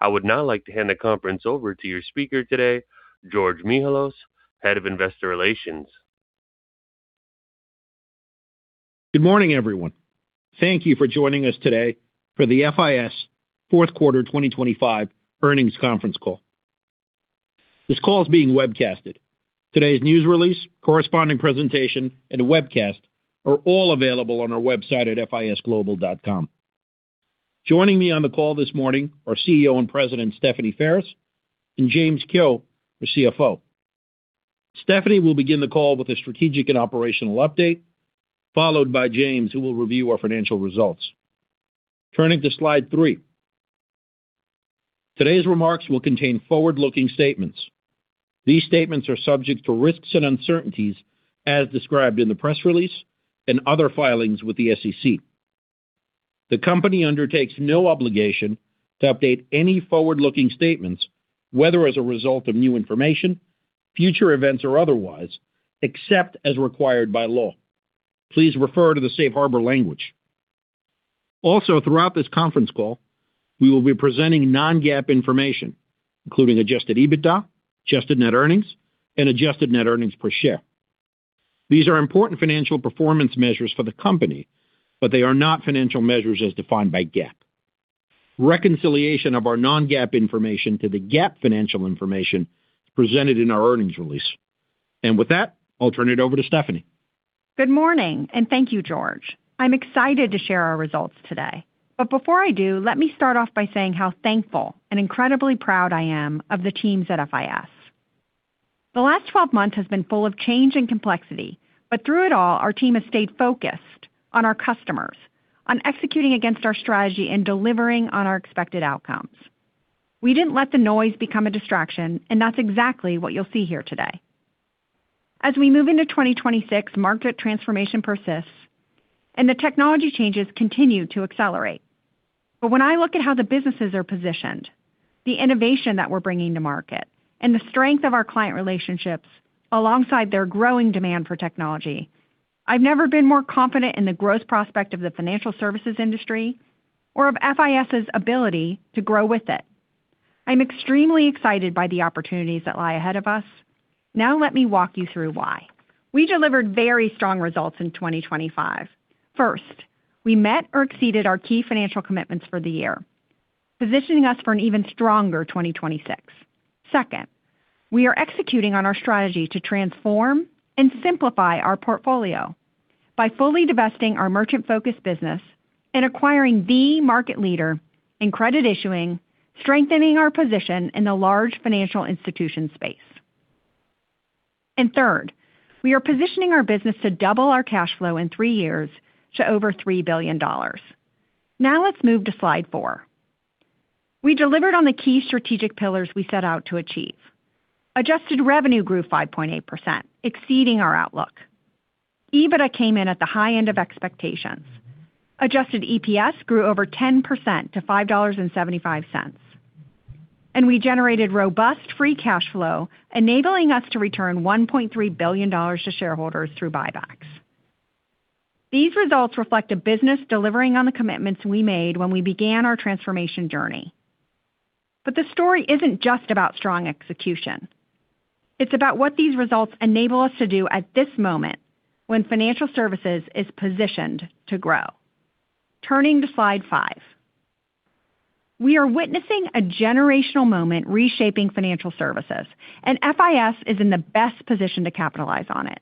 I would now like to hand the conference over to your speaker today, George Mihalos, Head of Investor Relations. Good morning, everyone. Thank you for joining us today for the FIS Q4 2025 Earnings Conference Call. This call is being webcasted. Today's news release, corresponding presentation, and webcast are all available on our website at fisglobal.com. Joining me on the call this morning are CEO and President, Stephanie Ferris, and James Kehoe, the CFO. Stephanie will begin the call with a strategic and operational update, followed by James, who will review our financial results. Turning to slide 3. Today's remarks will contain forward-looking statements. These statements are subject to risks and uncertainties as described in the press release and other filings with the SEC. The company undertakes no obligation to update any forward-looking statements, whether as a result of new information, future events, or otherwise, except as required by law. Please refer to the safe harbor language. Throughout this conference call, we will be presenting non-GAAP information, including adjusted EBITDA, adjusted net earnings, and adjusted net earnings per share. These are important financial performance measures for the company, but they are not financial measures as defined by GAAP. Reconciliation of our non-GAAP information to the GAAP financial information is presented in our earnings release. With that, I'll turn it over to Stephanie. Good morning. Thank you, George. I'm excited to share our results today. Before I do, let me start off by saying how thankful and incredibly proud I am of the teams at FIS. The last 12 months has been full of change and complexity, but through it all, our team has stayed focused on our customers, on executing against our strategy and delivering on our expected outcomes. We didn't let the noise become a distraction. That's exactly what you'll see here today. As we move into 2026, market transformation persists, and the technology changes continue to accelerate. When I look at how the businesses are positioned, the innovation that we're bringing to market, and the strength of our client relationships alongside their growing demand for technology, I've never been more confident in the growth prospect of the financial services industry or of FIS's ability to grow with it. I'm extremely excited by the opportunities that lie ahead of us. Let me walk you through why. We delivered very strong results in 2025. First, we met or exceeded our key financial commitments for the year, positioning us for an even stronger 2026. Second, we are executing on our strategy to transform and simplify our portfolio by fully divesting our merchant-focused business and acquiring the market leader in credit issuing, strengthening our position in the large financial institution space. Third, we are positioning our business to double our cash flow in 3 years to over $3 billion. Let's move to slide 4. We delivered on the key strategic pillars we set out to achieve. Adjusted revenue grew 5.8%, exceeding our outlook. EBITDA came in at the high end of expectations. Adjusted EPS grew over 10% to $5.75, and we generated robust free cash flow, enabling us to return $1.3 billion to shareholders through buybacks. These results reflect a business delivering on the commitments we made when we began our transformation journey. The story isn't just about strong execution. It's about what these results enable us to do at this moment when financial services is positioned to grow. Turning to slide 5. We are witnessing a generational moment reshaping financial services, and FIS is in the best position to capitalize on it.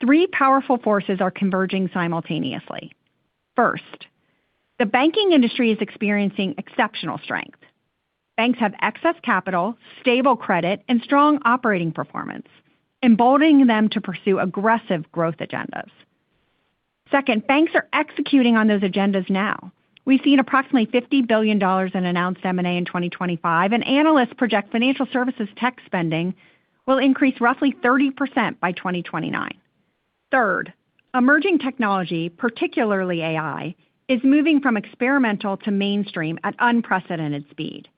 Three powerful forces are converging simultaneously. First, the banking industry is experiencing exceptional strength. Banks have excess capital, stable credit, and strong operating performance, emboldening them to pursue aggressive growth agendas. Second, banks are executing on those agendas now. We've seen approximately $50 billion in announced M&A in 2025, and analysts project financial services tech spending will increase roughly 30% by 2029. Third, emerging technology, particularly AI, is moving from experimental to mainstream at unprecedented speed.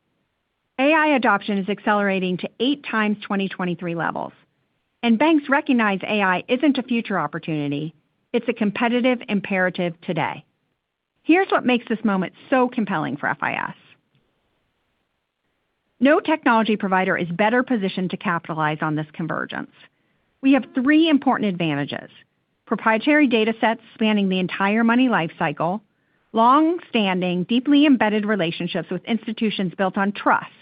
AI adoption is accelerating to 8 times 2023 levels, and banks recognize AI isn't a future opportunity, it's a competitive imperative today. Here's what makes this moment so compelling for FIS. No technology provider is better positioned to capitalize on this convergence. We have three important advantages: proprietary datasets spanning the entire money lifecycle, long-standing, deeply embedded relationships with institutions built on trust,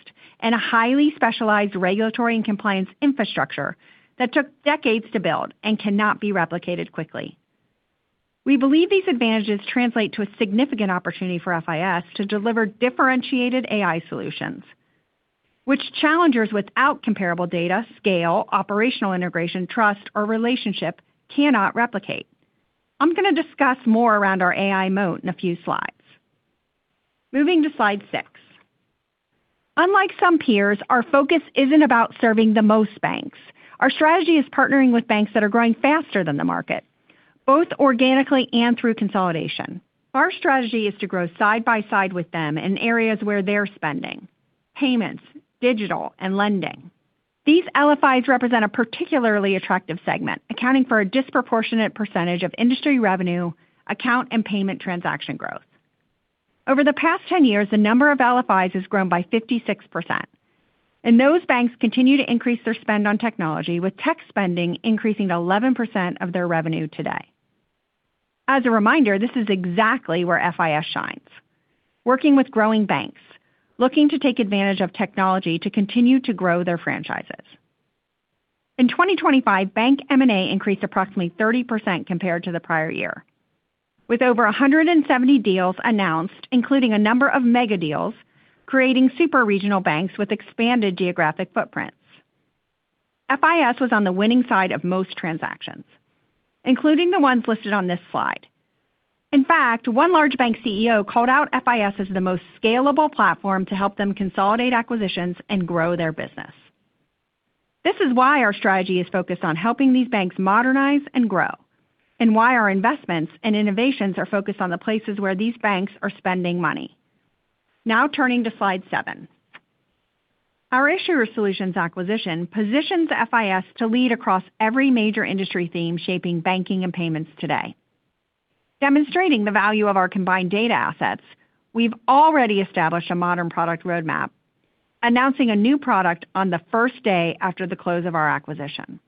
and a highly specialized regulatory and compliance infrastructure that took decades to build and cannot be replicated quickly. We believe these advantages translate to a significant opportunity for FIS to deliver differentiated AI solutions, which challengers without comparable data, scale, operational integration, trust, or relationship cannot replicate. I'm going to discuss more around our AI moat in a few slides. Moving to slide six. Unlike some peers, our focus isn't about serving the most banks. Our strategy is partnering with banks that are growing faster than the market, both organically and through consolidation. Our strategy is to grow side by side with them in areas where they're spending: payments, digital, and lending.... These LFIs represent a particularly attractive segment, accounting for a disproportionate % of industry revenue, account, and payment transaction growth. Over the past 10 years, the number of LFIs has grown by 56%, those banks continue to increase their spend on technology, with tech spending increasing to 11% of their revenue today. As a reminder, this is exactly where FIS shines: working with growing banks, looking to take advantage of technology to continue to grow their franchises. In 2025, bank M&A increased approximately 30% compared to the prior year, with over 170 deals announced, including a number of mega deals, creating super-regional banks with expanded geographic footprints. FIS was on the winning side of most transactions, including the ones listed on this slide. In fact, one large bank CEO called out FIS as the most scalable platform to help them consolidate acquisitions and grow their business. This is why our strategy is focused on helping these banks modernize and grow, and why our investments and innovations are focused on the places where these banks are spending money. Turning to slide seven. Our issuer solutions acquisition positions FIS to lead across every major industry theme shaping banking and payments today. Demonstrating the value of our combined data assets, we've already established a modern product roadmap, announcing a new product on the first day after the close of our acquisition.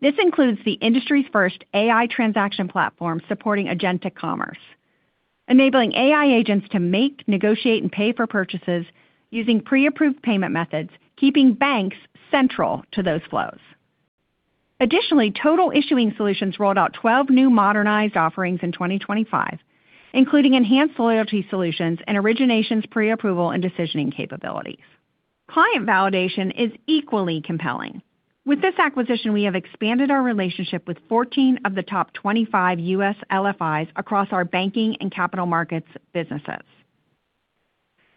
This includes the industry's first AI transaction platform supporting agentic commerce, enabling AI agents to make, negotiate, and pay for purchases using pre-approved payment methods, keeping banks central to those flows. Total Issuing Solutions rolled out 12 new modernized offerings in 2025, including enhanced loyalty solutions and originations pre-approval and decisioning capabilities. Client validation is equally compelling. With this acquisition, we have expanded our relationship with 14 of the top 25 U.S. LFIs across our banking and capital markets businesses.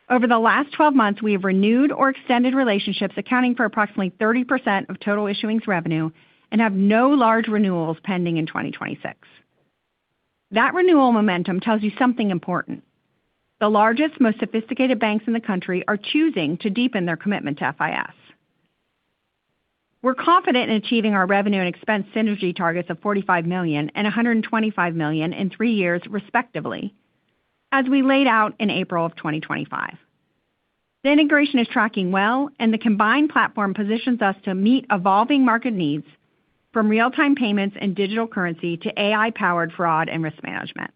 Over the last 12 months, we have renewed or extended relationships accounting for approximately 30% of Total Issuing's revenue and have no large renewals pending in 2026. Renewal momentum tells you something important. The largest, most sophisticated banks in the country are choosing to deepen their commitment to FIS. We're confident in achieving our revenue and expense synergy targets of $45 million and $125 million in 3 years, respectively, as we laid out in April of 2025. The integration is tracking well, and the combined platform positions us to meet evolving market needs, from real-time payments and digital currency to AI-powered fraud and risk management.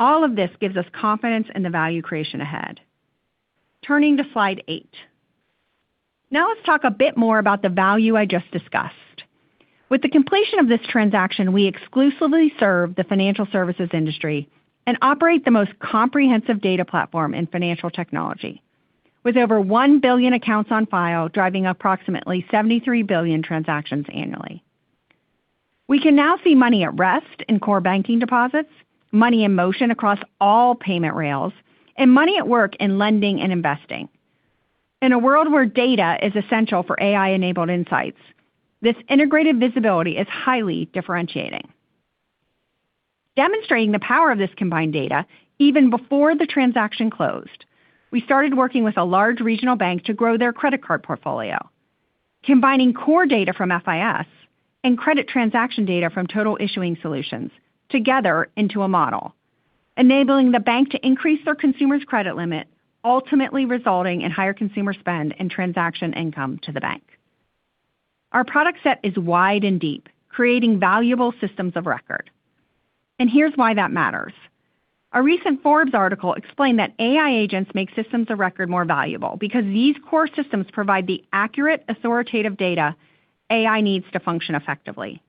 All of this gives us confidence in the value creation ahead. Turning to slide 8. Let's talk a bit more about the value I just discussed. With the completion of this transaction, we exclusively serve the financial services industry and operate the most comprehensive data platform in financial technology, with over 1 billion accounts on file, driving approximately 73 billion transactions annually. We can now see money at rest in core banking deposits, money in motion across all payment rails, and money at work in lending and investing. In a world where data is essential for AI-enabled insights, this integrated visibility is highly differentiating. Demonstrating the power of this combined data, even before the transaction closed, we started working with a large regional bank to grow their credit card portfolio, combining core data from FIS and credit transaction data from Total Issuing Solutions together into a model, enabling the bank to increase their consumer's credit limit, ultimately resulting in higher consumer spend and transaction income to the bank. Our product set is wide and deep, creating valuable systems of record. Here's why that matters. A recent Forbes article explained that AI agents make systems of record more valuable because these core systems provide the accurate, authoritative data AI needs to function effectively.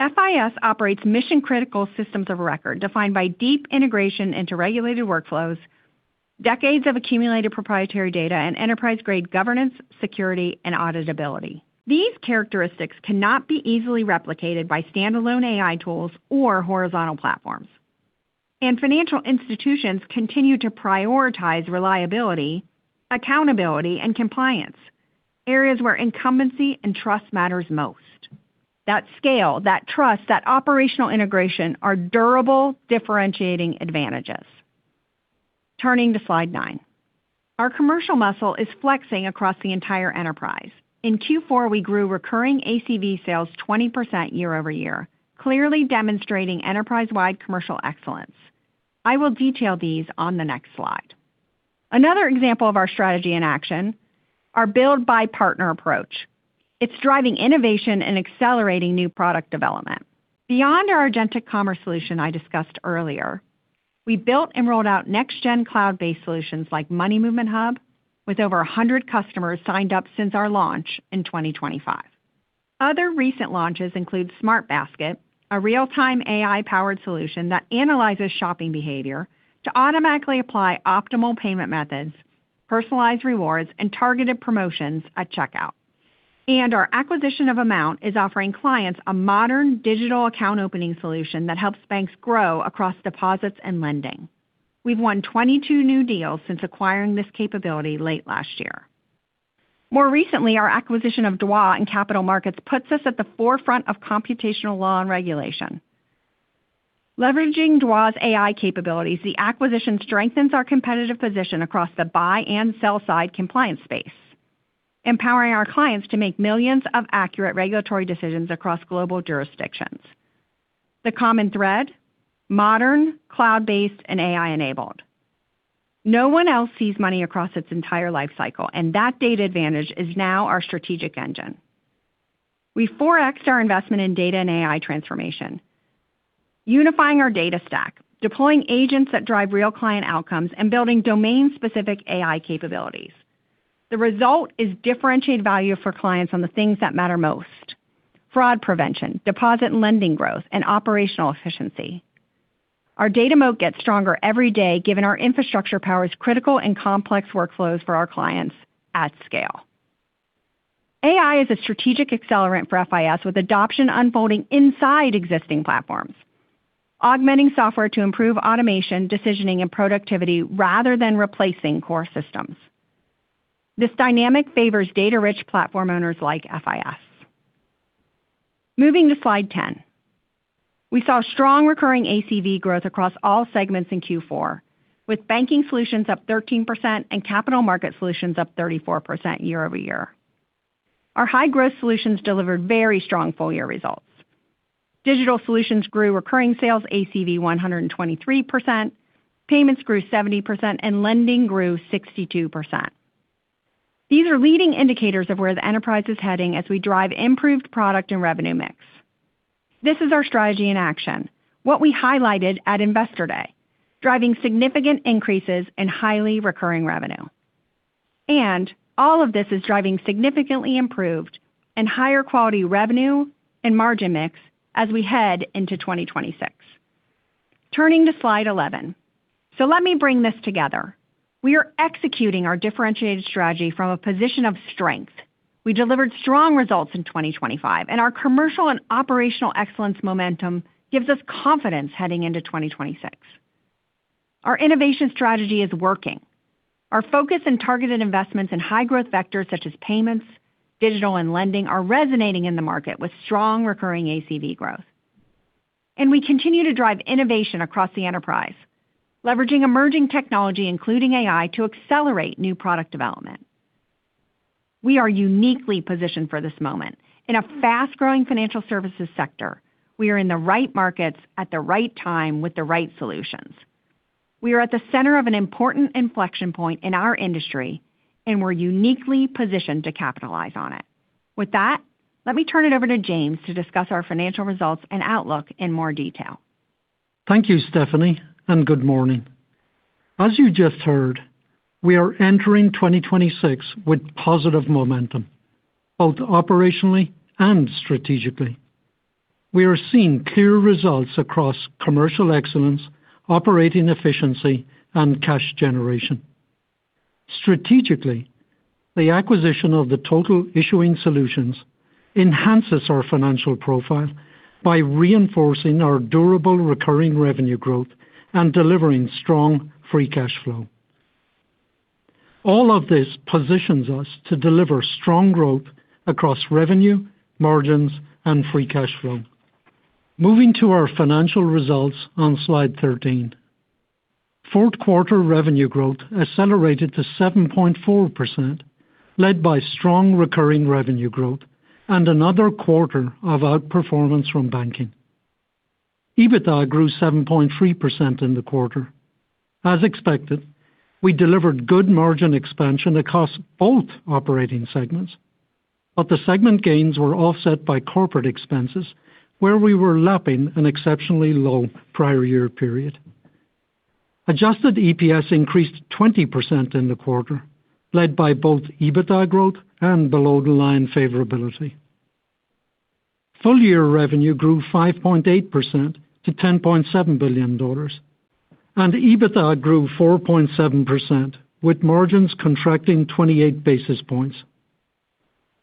FIS operates mission-critical systems of record, defined by deep integration into regulated workflows, decades of accumulated proprietary data, and enterprise-grade governance, security, and auditability. These characteristics cannot be easily replicated by standalone AI tools or horizontal platforms. Financial institutions continue to prioritize reliability, accountability, and compliance, areas where incumbency and trust matters most. That scale, that trust, that operational integration are durable, differentiating advantages. Turning to slide 9. Our commercial muscle is flexing across the entire enterprise. In Q4, we grew recurring ACV sales 20% year-over-year, clearly demonstrating enterprise-wide commercial excellence. I will detail these on the next slide. Another example of our strategy in action, our build-by-partner approach. It's driving innovation and accelerating new product development. Beyond our agentic commerce solution I discussed earlier, we built and rolled out next-gen cloud-based solutions like Money Movement Hub, with over 100 customers signed up since our launch in 2025. Other recent launches include Smart Basket, a real-time AI-powered solution that analyzes shopping behavior to automatically apply optimal payment methods, personalized rewards, and targeted promotions at checkout. Our acquisition of Amount is offering clients a modern digital account opening solution that helps banks grow across deposits and lending. We've won 22 new deals since acquiring this capability late last year. More recently, our acquisition of DWA in Capital Markets puts us at the forefront of computational law and regulation. leveraging DWA's AI capabilities, the acquisition strengthens our competitive position across the buy and sell side compliance space, empowering our clients to make millions of accurate regulatory decisions across global jurisdictions. The common thread? Modern, cloud-based, and AI-enabled. No one else sees money across its entire lifecycle, and that data advantage is now our strategic engine. We 4x'd our investment in data and AI transformation, unifying our data stack, deploying agents that drive real client outcomes, and building domain-specific AI capabilities. The result is differentiated value for clients on the things that matter most: fraud prevention, deposit and lending growth, and operational efficiency. Our data moat gets stronger every day, given our infrastructure powers critical and complex workflows for our clients at scale. AI is a strategic accelerant for FIS, with adoption unfolding inside existing platforms, augmenting software to improve automation, decisioning, and productivity rather than replacing core systems. This dynamic favors data-rich platform owners like FIS. Moving to slide 10. We saw strong recurring ACV growth across all segments in Q4, with banking solutions up 13% and capital market solutions up 34% year-over-year. Our high-growth solutions delivered very strong full-year results. Digital solutions grew recurring sales ACV 123%, payments grew 70%, and lending grew 62%. These are leading indicators of where the enterprise is heading as we drive improved product and revenue mix. This is our strategy in action, what we highlighted at Investor Day, driving significant increases in highly recurring revenue. All of this is driving significantly improved and higher quality revenue and margin mix as we head into 2026. Turning to slide 11. Let me bring this together. We are executing our differentiated strategy from a position of strength. We delivered strong results in 2025, and our commercial and operational excellence momentum gives us confidence heading into 2026. Our innovation strategy is working. Our focus and targeted investments in high-growth vectors such as payments, digital, and lending are resonating in the market with strong recurring ACV growth. We continue to drive innovation across the enterprise, leveraging emerging technology, including AI, to accelerate new product development. We are uniquely positioned for this moment. In a fast-growing financial services sector, we are in the right markets at the right time with the right solutions. We are at the center of an important inflection point in our industry, and we're uniquely positioned to capitalize on it. With that, let me turn it over to James to discuss our financial results and outlook in more detail. Thank you, Stephanie. Good morning. As you just heard, we are entering 2026 with positive momentum, both operationally and strategically. We are seeing clear results across commercial excellence, operating efficiency, and cash generation. Strategically, the acquisition of the Total Issuing Solutions enhances our financial profile by reinforcing our durable recurring revenue growth and delivering strong free cash flow. All of this positions us to deliver strong growth across revenue, margins, and free cash flow. Moving to our financial results on slide 13. Q4 revenue growth accelerated to 7.4%, led by strong recurring revenue growth and another quarter of outperformance from banking. EBITDA grew 7.3% in the quarter. As expected, we delivered good margin expansion across both operating segments, but the segment gains were offset by corporate expenses, where we were lapping an exceptionally low prior year period. Adjusted EPS increased 20% in the quarter, led by both EBITDA growth and below-the-line favorability. Full-year revenue grew 5.8% to $10.7 billion, EBITDA grew 4.7%, with margins contracting 28 basis points.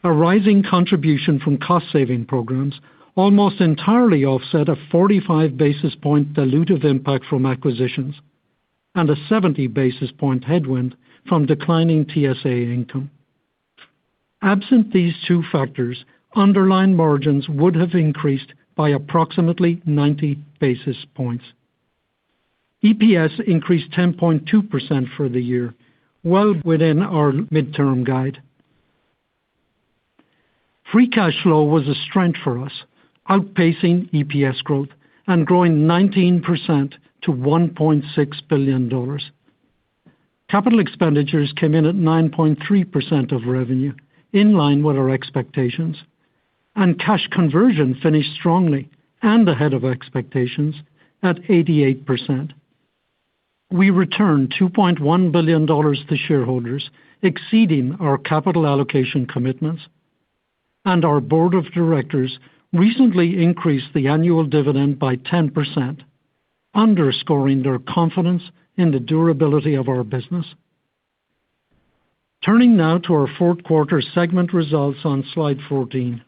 A rising contribution from cost-saving programs almost entirely offset a 45 basis point dilutive impact from acquisitions and a 70 basis point headwind from declining TSA income. Absent these two factors, underlying margins would have increased by approximately 90 basis points. EPS increased 10.2% for the year, well within our midterm guide. Free cash flow was a strength for us, outpacing EPS growth and growing 19% to $1.6 billion. Capital expenditures came in at 9.3% of revenue, in line with our expectations, cash conversion finished strongly and ahead of expectations at 88%. We returned $2.1 billion to shareholders, exceeding our capital allocation commitments, and our board of directors recently increased the annual dividend by 10%, underscoring their confidence in the durability of our business. Turning now to our Q4 segment results on slide 14.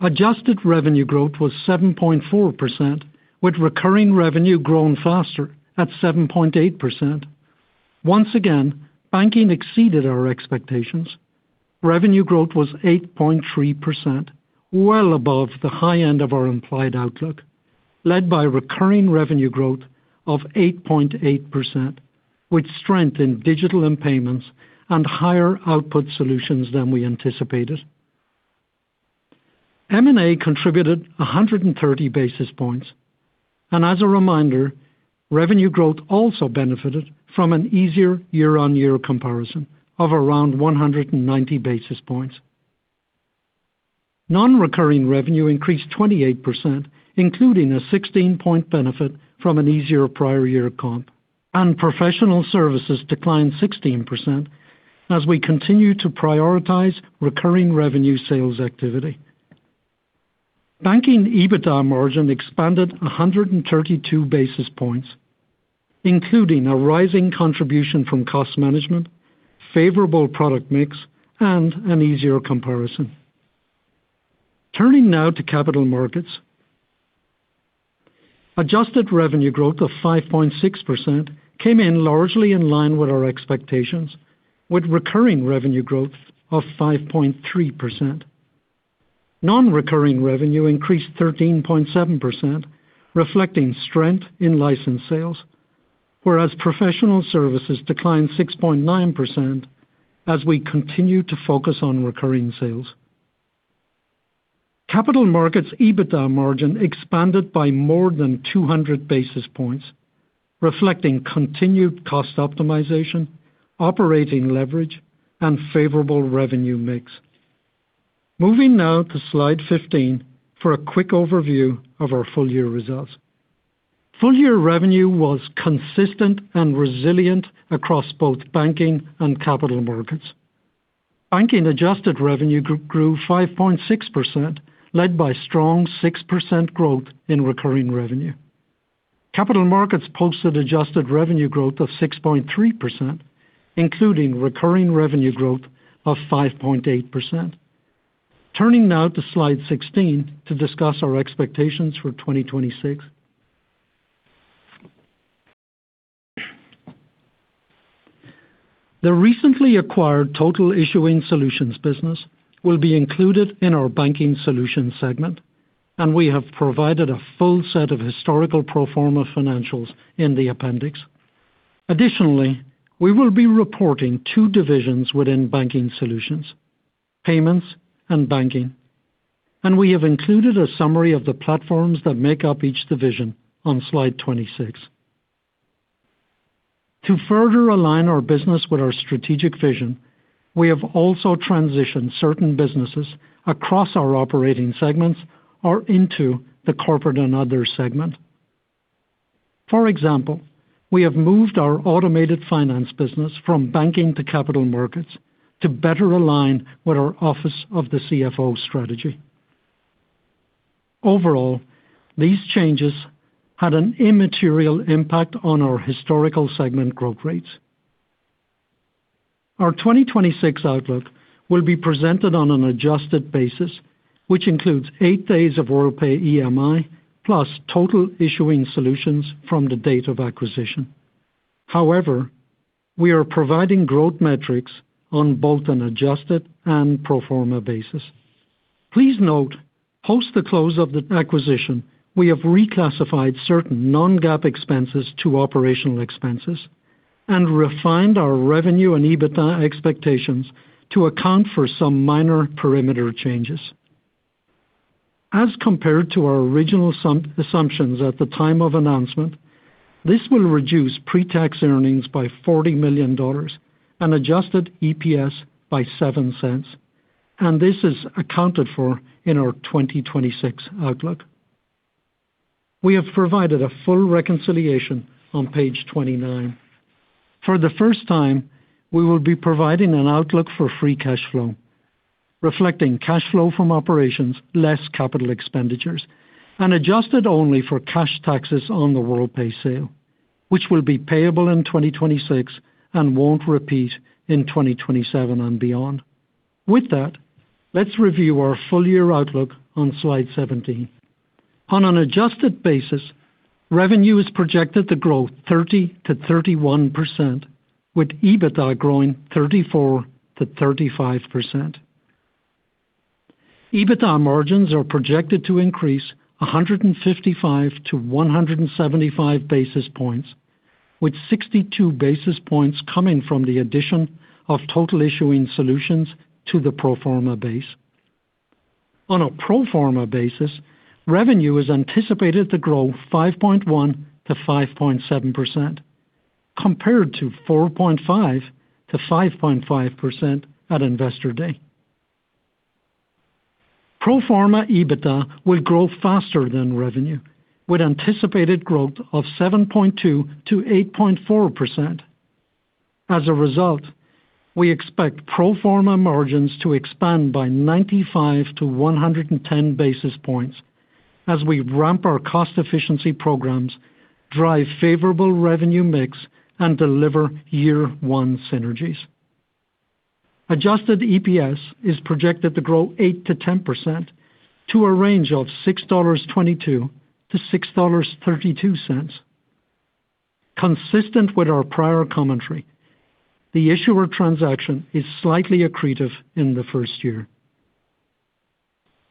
Adjusted revenue growth was 7.4%, with recurring revenue growing faster at 7.8%. Once again, banking exceeded our expectations. Revenue growth was 8.3%, well above the high end of our implied outlook, led by recurring revenue growth of 8.8%, with strength in digital and payments and higher output solutions than we anticipated. M&A contributed 130 basis points, and as a reminder, revenue growth also benefited from an easier year-on-year comparison of around 190 basis points. Non-recurring revenue increased 28%, including a 16-point benefit from an easier prior year comp, and professional services declined 16% as we continue to prioritize recurring revenue sales activity. Banking EBITDA margin expanded 132 basis points, including a rising contribution from cost management, favorable product mix, and an easier comparison. Turning now to capital markets. Adjusted revenue growth of 5.6% came in largely in line with our expectations, with recurring revenue growth of 5.3%. Non-recurring revenue increased 13.7%, reflecting strength in license sales, whereas professional services declined 6.9% as we continued to focus on recurring sales. Capital markets EBITDA margin expanded by more than 200 basis points, reflecting continued cost optimization, operating leverage, and favorable revenue mix. Moving now to slide 15 for a quick overview of our full-year results. Full-year revenue was consistent and resilient across both banking and capital markets. Banking adjusted revenue grew 5.6%, led by strong 6% growth in recurring revenue. Capital markets posted adjusted revenue growth of 6.3%, including recurring revenue growth of 5.8%. Turning now to slide 16 to discuss our expectations for 2026. The recently acquired Total Issuing Solutions business will be included in our banking solutions segment, and we have provided a full set of historical pro forma financials in the appendix. Additionally, we will be reporting two divisions within banking solutions, payments and banking, and we have included a summary of the platforms that make up each division on slide 26. To further align our business with our strategic vision, we have also transitioned certain businesses across our operating segments or into the corporate and other segment. For example, we have moved our Automated Finance business from banking to capital markets to better align with our Office of the CFO strategy. Overall, these changes had an immaterial impact on our historical segment growth rates. Our 2026 outlook will be presented on an adjusted basis, which includes 8 days of Worldpay EMI plus Total Issuing Solutions from the date of acquisition. We are providing growth metrics on both an adjusted and pro forma basis. Please note, post the close of the acquisition, we have reclassified certain non-GAAP expenses to operational expenses and refined our revenue and EBITDA expectations to account for some minor perimeter changes. As compared to our original assumptions at the time of announcement, this will reduce pre-tax earnings by $40 million and adjusted EPS by $0.07. This is accounted for in our 2026 outlook. We have provided a full reconciliation on page 29. For the first time, we will be providing an outlook for free cash flow, reflecting cash flow from operations less capital expenditures and adjusted only for cash taxes on the Worldpay sale, which will be payable in 2026 and won't repeat in 2027 and beyond. With that, let's review our full-year outlook on slide 17. On an adjusted basis, revenue is projected to grow 30%-31%, with EBITDA growing 34%-35%. EBITDA margins are projected to increase 155-175 basis points, with 62 basis points coming from the addition of Total Issuing Solutions to the pro forma base. On a pro forma basis, revenue is anticipated to grow 5.1%-5.7%, compared to 4.5%-5.5% at Investor Day. Pro forma EBITDA will grow faster than revenue, with anticipated growth of 7.2%-8.4%. As a result, we expect pro forma margins to expand by 95-110 basis points as we ramp our cost efficiency programs, drive favorable revenue mix, and deliver year-one synergies. adjusted EPS is projected to grow 8%-10% to a range of $6.22-$6.32. Consistent with our prior commentary, the issuer transaction is slightly accretive in the first year.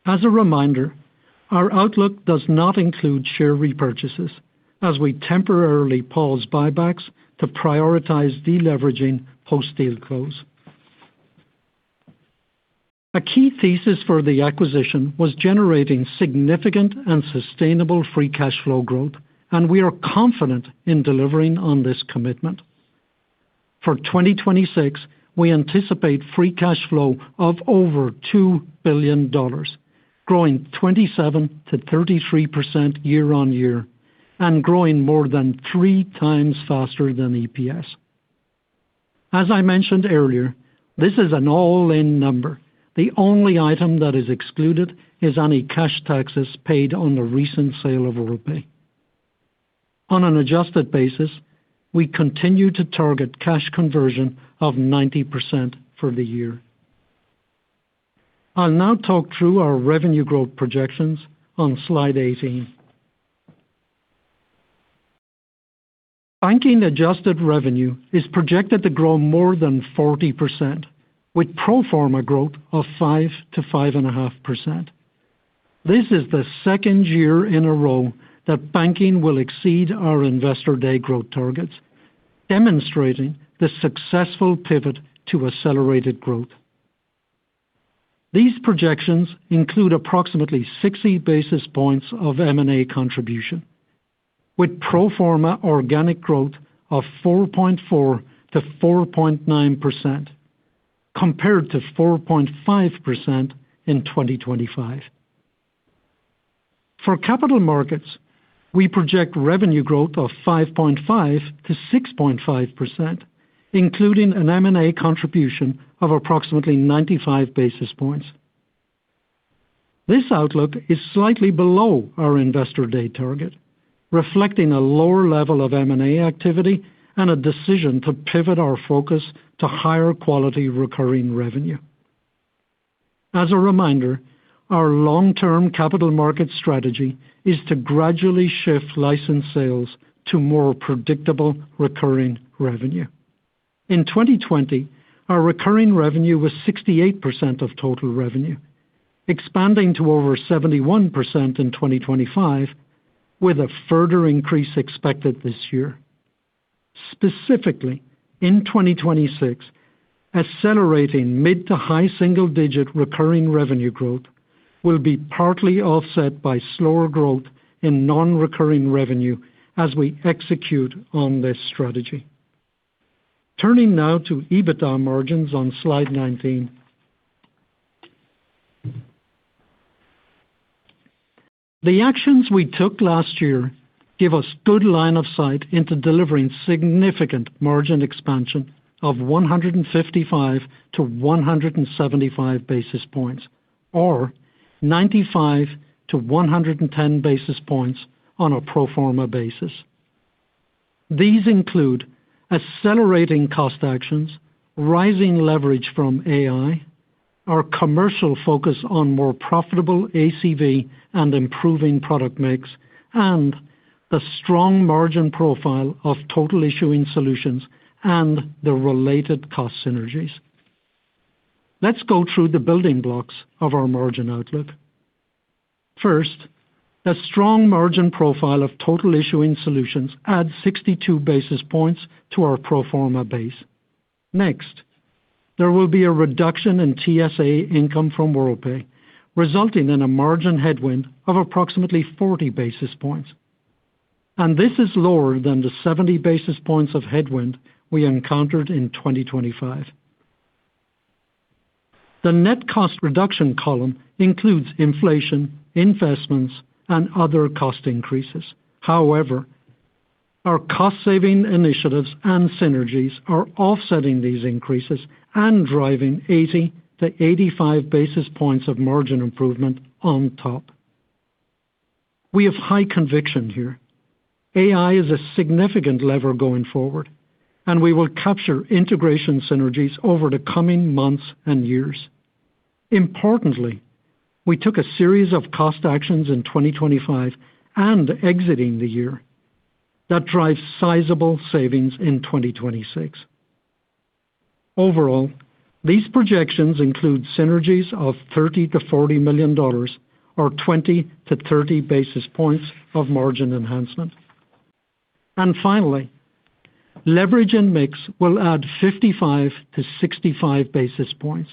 As a reminder, our outlook does not include share repurchases, as we temporarily paused buybacks to prioritize deleveraging post-deal close. A key thesis for the acquisition was generating significant and sustainable free cash flow growth, and we are confident in delivering on this commitment. For 2026, we anticipate free cash flow of over $2 billion, growing 27%-33% year-on-year, and growing more than 3 times faster than EPS. As I mentioned earlier, this is an all-in number. The only item that is excluded is any cash taxes paid on the recent sale of Worldpay. On an adjusted basis, we continue to target cash conversion of 90% for the year. I'll now talk through our revenue growth projections on slide 18. Banking adjusted revenue is projected to grow more than 40%, with pro forma growth of 5% to 5.5%. This is the second year in a row that banking will exceed our investor day growth targets, demonstrating the successful pivot to accelerated growth. These projections include approximately 60 basis points of M&A contribution, with pro forma organic growth of 4.4%-4.9%, compared to 4.5% in 2025. For capital markets, we project revenue growth of 5.5%-6.5%, including an M&A contribution of approximately 95 basis points. This outlook is slightly below our investor day target, reflecting a lower level of M&A activity and a decision to pivot our focus to higher quality recurring revenue. As a reminder, our long-term capital market strategy is to gradually shift license sales to more predictable, recurring revenue. In 2020, our recurring revenue was 68% of total revenue, expanding to over 71% in 2025, with a further increase expected this year. Specifically, in 2026, accelerating mid to high single-digit recurring revenue growth will be partly offset by slower growth in non-recurring revenue as we execute on this strategy. Turning now to EBITDA margins on slide 19. The actions we took last year give us good line of sight into delivering significant margin expansion of 155-175 basis points or 95-110 basis points on a pro forma basis. These include accelerating cost actions, rising leverage from AI, our commercial focus on more profitable ACV and improving product mix, and the strong margin profile of Total Issuing Solutions and the related cost synergies. Let's go through the building blocks of our margin outlook. First, a strong margin profile of Total Issuing Solutions adds 62 basis points to our pro forma base. There will be a reduction in TSA income from Worldpay, resulting in a margin headwind of approximately 40 basis points, and this is lower than the 70 basis points of headwind we encountered in 2025. The net cost reduction column includes inflation, investments, and other cost increases. However, our cost-saving initiatives and synergies are offsetting these increases and driving 80-85 basis points of margin improvement on top. We have high conviction here. AI is a significant lever going forward, and we will capture integration synergies over the coming months and years. We took a series of cost actions in 2025 and exiting the year that drive sizable savings in 2026. Overall, these projections include synergies of $30-$40 million or 20-30 basis points of margin enhancement. Finally, leverage and mix will add 55-65 basis points.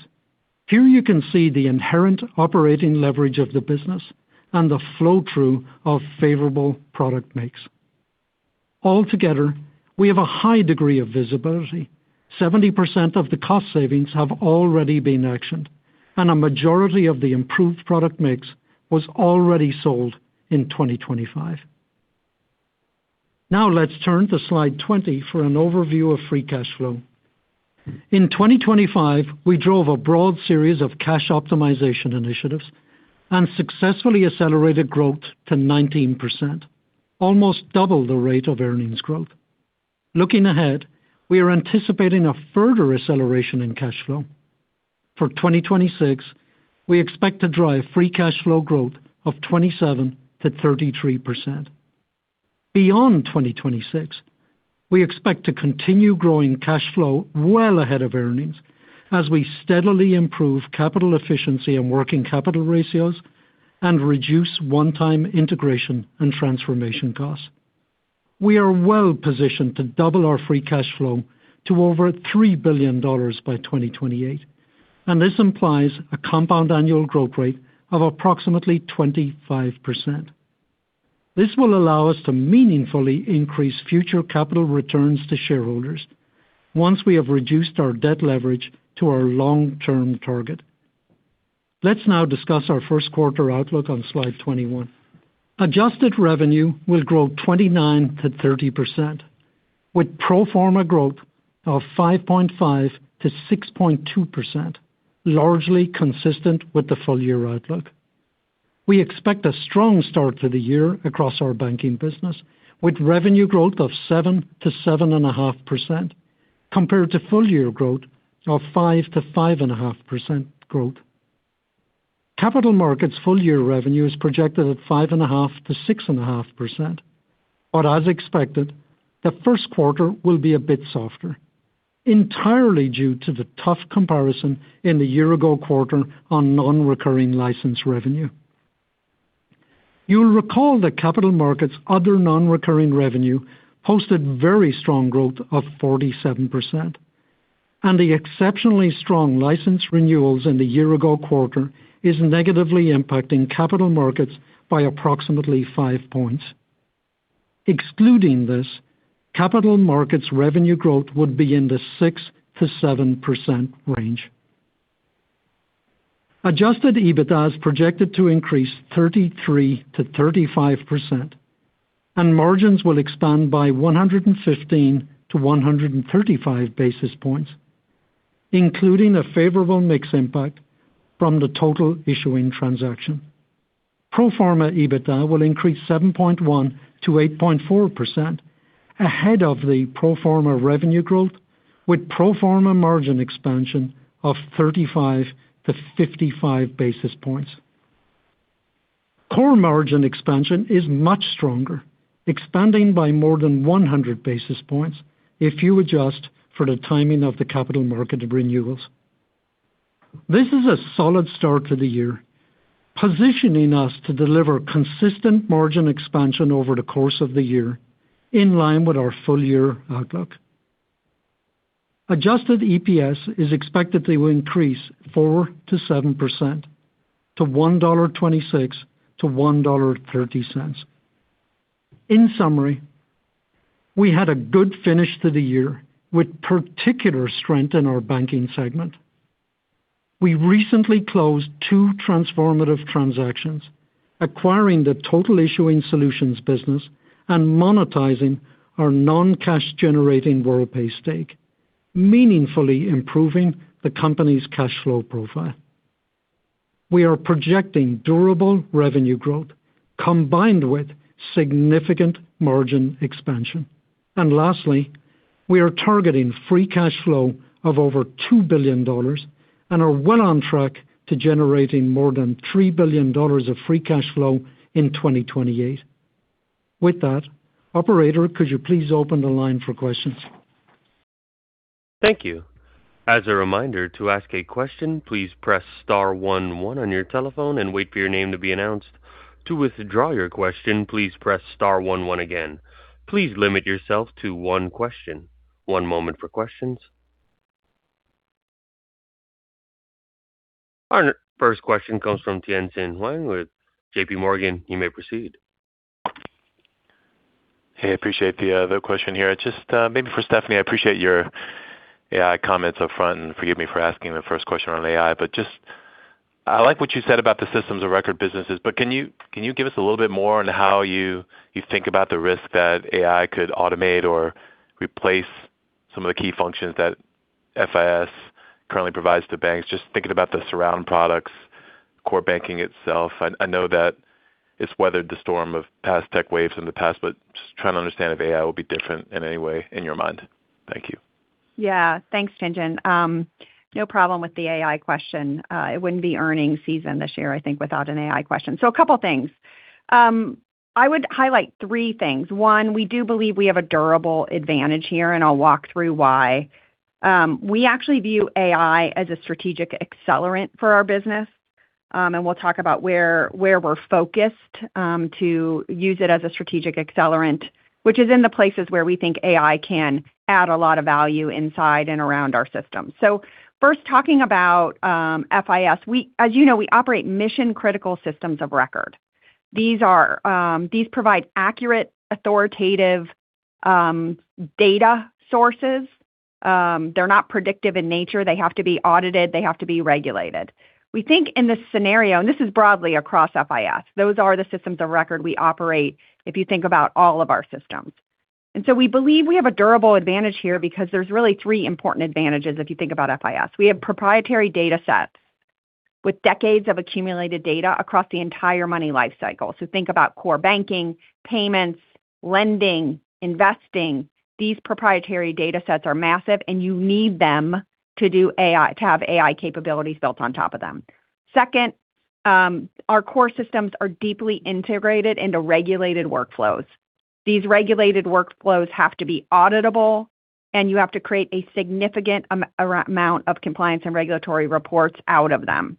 Here you can see the inherent operating leverage of the business and the flow-through of favorable product mix. Altogether, we have a high degree of visibility. 70% of the cost savings have already been actioned, and a majority of the improved product mix was already sold in 2025. Now let's turn to slide 20 for an overview of free cash flow. In 2025, we drove a broad series of cash optimization initiatives and successfully accelerated growth to 19%, almost double the rate of earnings growth. Looking ahead, we are anticipating a further acceleration in cash flow. For 2026, we expect to drive free cash flow growth of 27%-33%. Beyond 2026, we expect to continue growing cash flow well ahead of earnings as we steadily improve capital efficiency and working capital ratios and reduce one-time integration and transformation costs. We are well-positioned to double our free cash flow to over $3 billion by 2028. This implies a compound annual growth rate of approximately 25%. This will allow us to meaningfully increase future capital returns to shareholders once we have reduced our debt leverage to our long-term target. Let's now discuss our Q1 outlook on slide 21. Adjusted revenue will grow 29%-30%, with pro forma growth of 5.5%-6.2%, largely consistent with the full-year outlook. We expect a strong start to the year across our banking business, with revenue growth of 7% to 7.5%, compared to full-year growth of 5% to 5.5%. Capital Markets full-year revenue is projected at 5.5% to 6.5%. As expected, the Q1 will be a bit softer, entirely due to the tough comparison in the year-ago quarter on non-recurring license revenue. You'll recall that Capital Markets other non-recurring revenue posted very strong growth of 47%. The exceptionally strong license renewals in the year-ago quarter is negatively impacting Capital Markets by approximately 5 points. Excluding this, Capital Markets revenue growth would be in the 6%-7% range. Adjusted EBITDA is projected to increase 33%-35%. Margins will expand by 115-135 basis points, including a favorable mix impact from the Total Issuing transaction. Pro forma EBITDA will increase 7.1%-8.4% ahead of the pro forma revenue growth, with pro forma margin expansion of 35-55 basis points. Core margin expansion is much stronger, expanding by more than 100 basis points if you adjust for the timing of the capital market renewals. This is a solid start to the year, positioning us to deliver consistent margin expansion over the course of the year, in line with our full-year outlook. Adjusted EPS is expected to increase 4%-7% to $1.26-$1.30. In summary, we had a good finish to the year with particular strength in our banking segment. We recently closed two transformative transactions, acquiring the Total Issuing Solutions business and monetizing our non-cash generating Worldpay stake, meaningfully improving the company's cash flow profile. We are projecting durable revenue growth combined with significant margin expansion. Lastly, we are targeting free cash flow of over $2 billion and are well on track to generating more than $3 billion of free cash flow in 2028. With that, operator, could you please open the line for questions? Thank you. As a reminder, to ask a question, please press star one one on your telephone and wait for your name to be announced. To withdraw your question, please press star one one again. Please limit yourself to one question. One moment for questions. Our first question comes from Tien-Tsin Huang with JPMorgan. You may proceed. Hey, appreciate the question here. Just maybe for Stephanie, I appreciate your AI comments upfront. Forgive me for asking the first question on AI. I like what you said about the systems of record businesses, can you give us a little bit more on how you think about the risk that AI could automate or replace some of the key functions that FIS currently provides to banks, just thinking about the surround products, core banking itself. I know that it's weathered the storm of past tech waves in the past, just trying to understand if AI will be different in any way in your mind. Thank you. Yeah. Thanks, Tien-Tsin. No problem with the AI question. It wouldn't be earnings season this year, I think, without an AI question. A couple things. I would highlight 3 things. One, we do believe we have a durable advantage here, and I'll walk through why. We actually view AI as a strategic accelerant for our business, and we'll talk about where we're focused to use it as a strategic accelerant, which is in the places where we think AI can add a lot of value inside and around our system. First, talking about FIS. As you know, we operate mission-critical systems of record. These are, these provide accurate, authoritative data sources. They're not predictive in nature. They have to be audited, they have to be regulated. We think in this scenario, and this is broadly across FIS, those are the systems of record we operate if you think about all of our systems. We believe we have a durable advantage here because there's really three important advantages if you think about FIS. We have proprietary data sets with decades of accumulated data across the entire money life cycle. Think about core banking, payments, lending, investing. These proprietary data sets are massive, and you need them to have AI capabilities built on top of them. Second, our core systems are deeply integrated into regulated workflows. These regulated workflows have to be auditable, and you have to create a significant amount of compliance and regulatory reports out of them.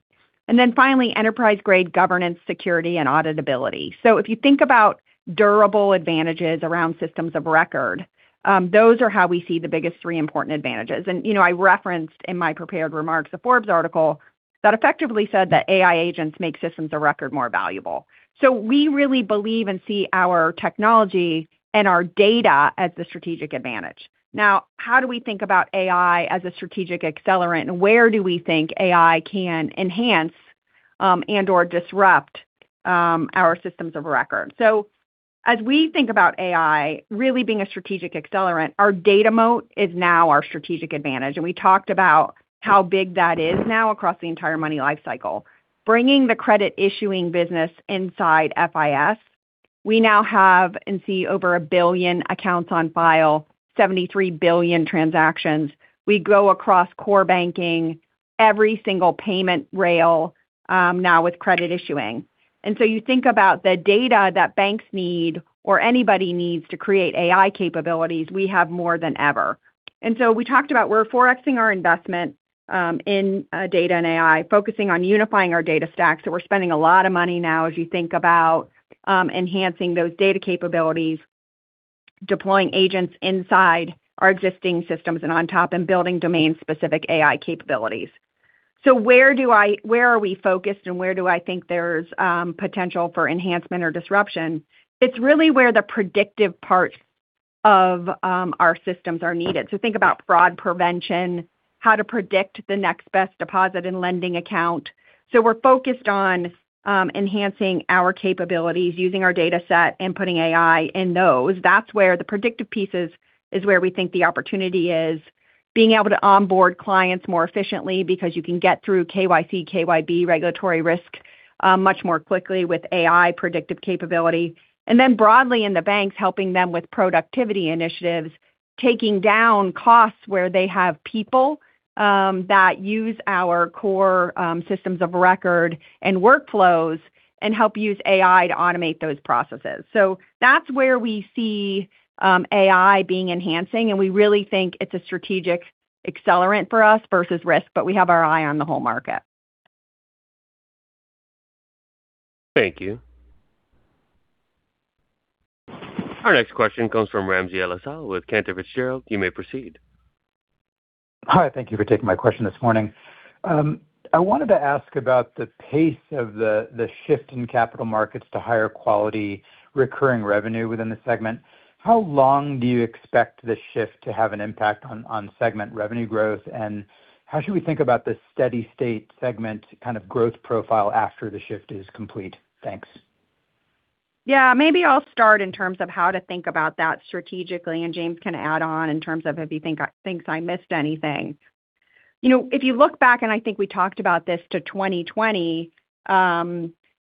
Finally, enterprise-grade governance, security, and auditability. If you think about durable advantages around systems of record, those are how we see the biggest three important advantages. You know, I referenced in my prepared remarks, the Forbes article that effectively said that AI agents make systems of record more valuable. We really believe and see our technology and our data as the strategic advantage. How do we think about AI as a strategic accelerant, and where do we think AI can enhance and/or disrupt our systems of record? As we think about AI really being a strategic accelerant, our data moat is now our strategic advantage, and we talked about how big that is now across the entire money life cycle. Bringing the credit issuing business inside FIS, we now have and see over 1 billion accounts on file, 73 billion transactions. We go across core banking, every single payment rail, now with credit issuing. You think about the data that banks need or anybody needs to create AI capabilities, we have more than ever. We talked about we're 4xing our investment in data and AI, focusing on unifying our data stack. We're spending a lot of money now as you think about enhancing those data capabilities, deploying agents inside our existing systems and on top, and building domain-specific AI capabilities. Where are we focused and where do I think there's potential for enhancement or disruption? It's really where the predictive parts of our systems are needed. Think about fraud prevention, how to predict the next best deposit and lending account. We're focused on enhancing our capabilities, using our dataset and putting AI in those. That's where the predictive pieces is where we think the opportunity is, being able to onboard clients more efficiently because you can get through KYC, KYB regulatory risk much more quickly with AI predictive capability. Then broadly in the banks, helping them with productivity initiatives, taking down costs where they have people that use our core systems of record and workflows, and help use AI to automate those processes. That's where we see AI being enhancing, and we really think it's a strategic accelerant for us versus risk, but we have our eye on the whole market. Thank you. Our next question comes from Ramsey El-Assal with Cantor Fitzgerald. You may proceed. Hi, thank you for taking my question this morning. I wanted to ask about the pace of the shift in capital markets to higher quality recurring revenue within the segment. How long do you expect this shift to have an impact on segment revenue growth? How should we think about the steady state segment kind of growth profile after the shift is complete? Thanks. Maybe I'll start in terms of how to think about that strategically, and James can add on in terms of if you think I missed anything. If you look back, and I think we talked about this to 2020,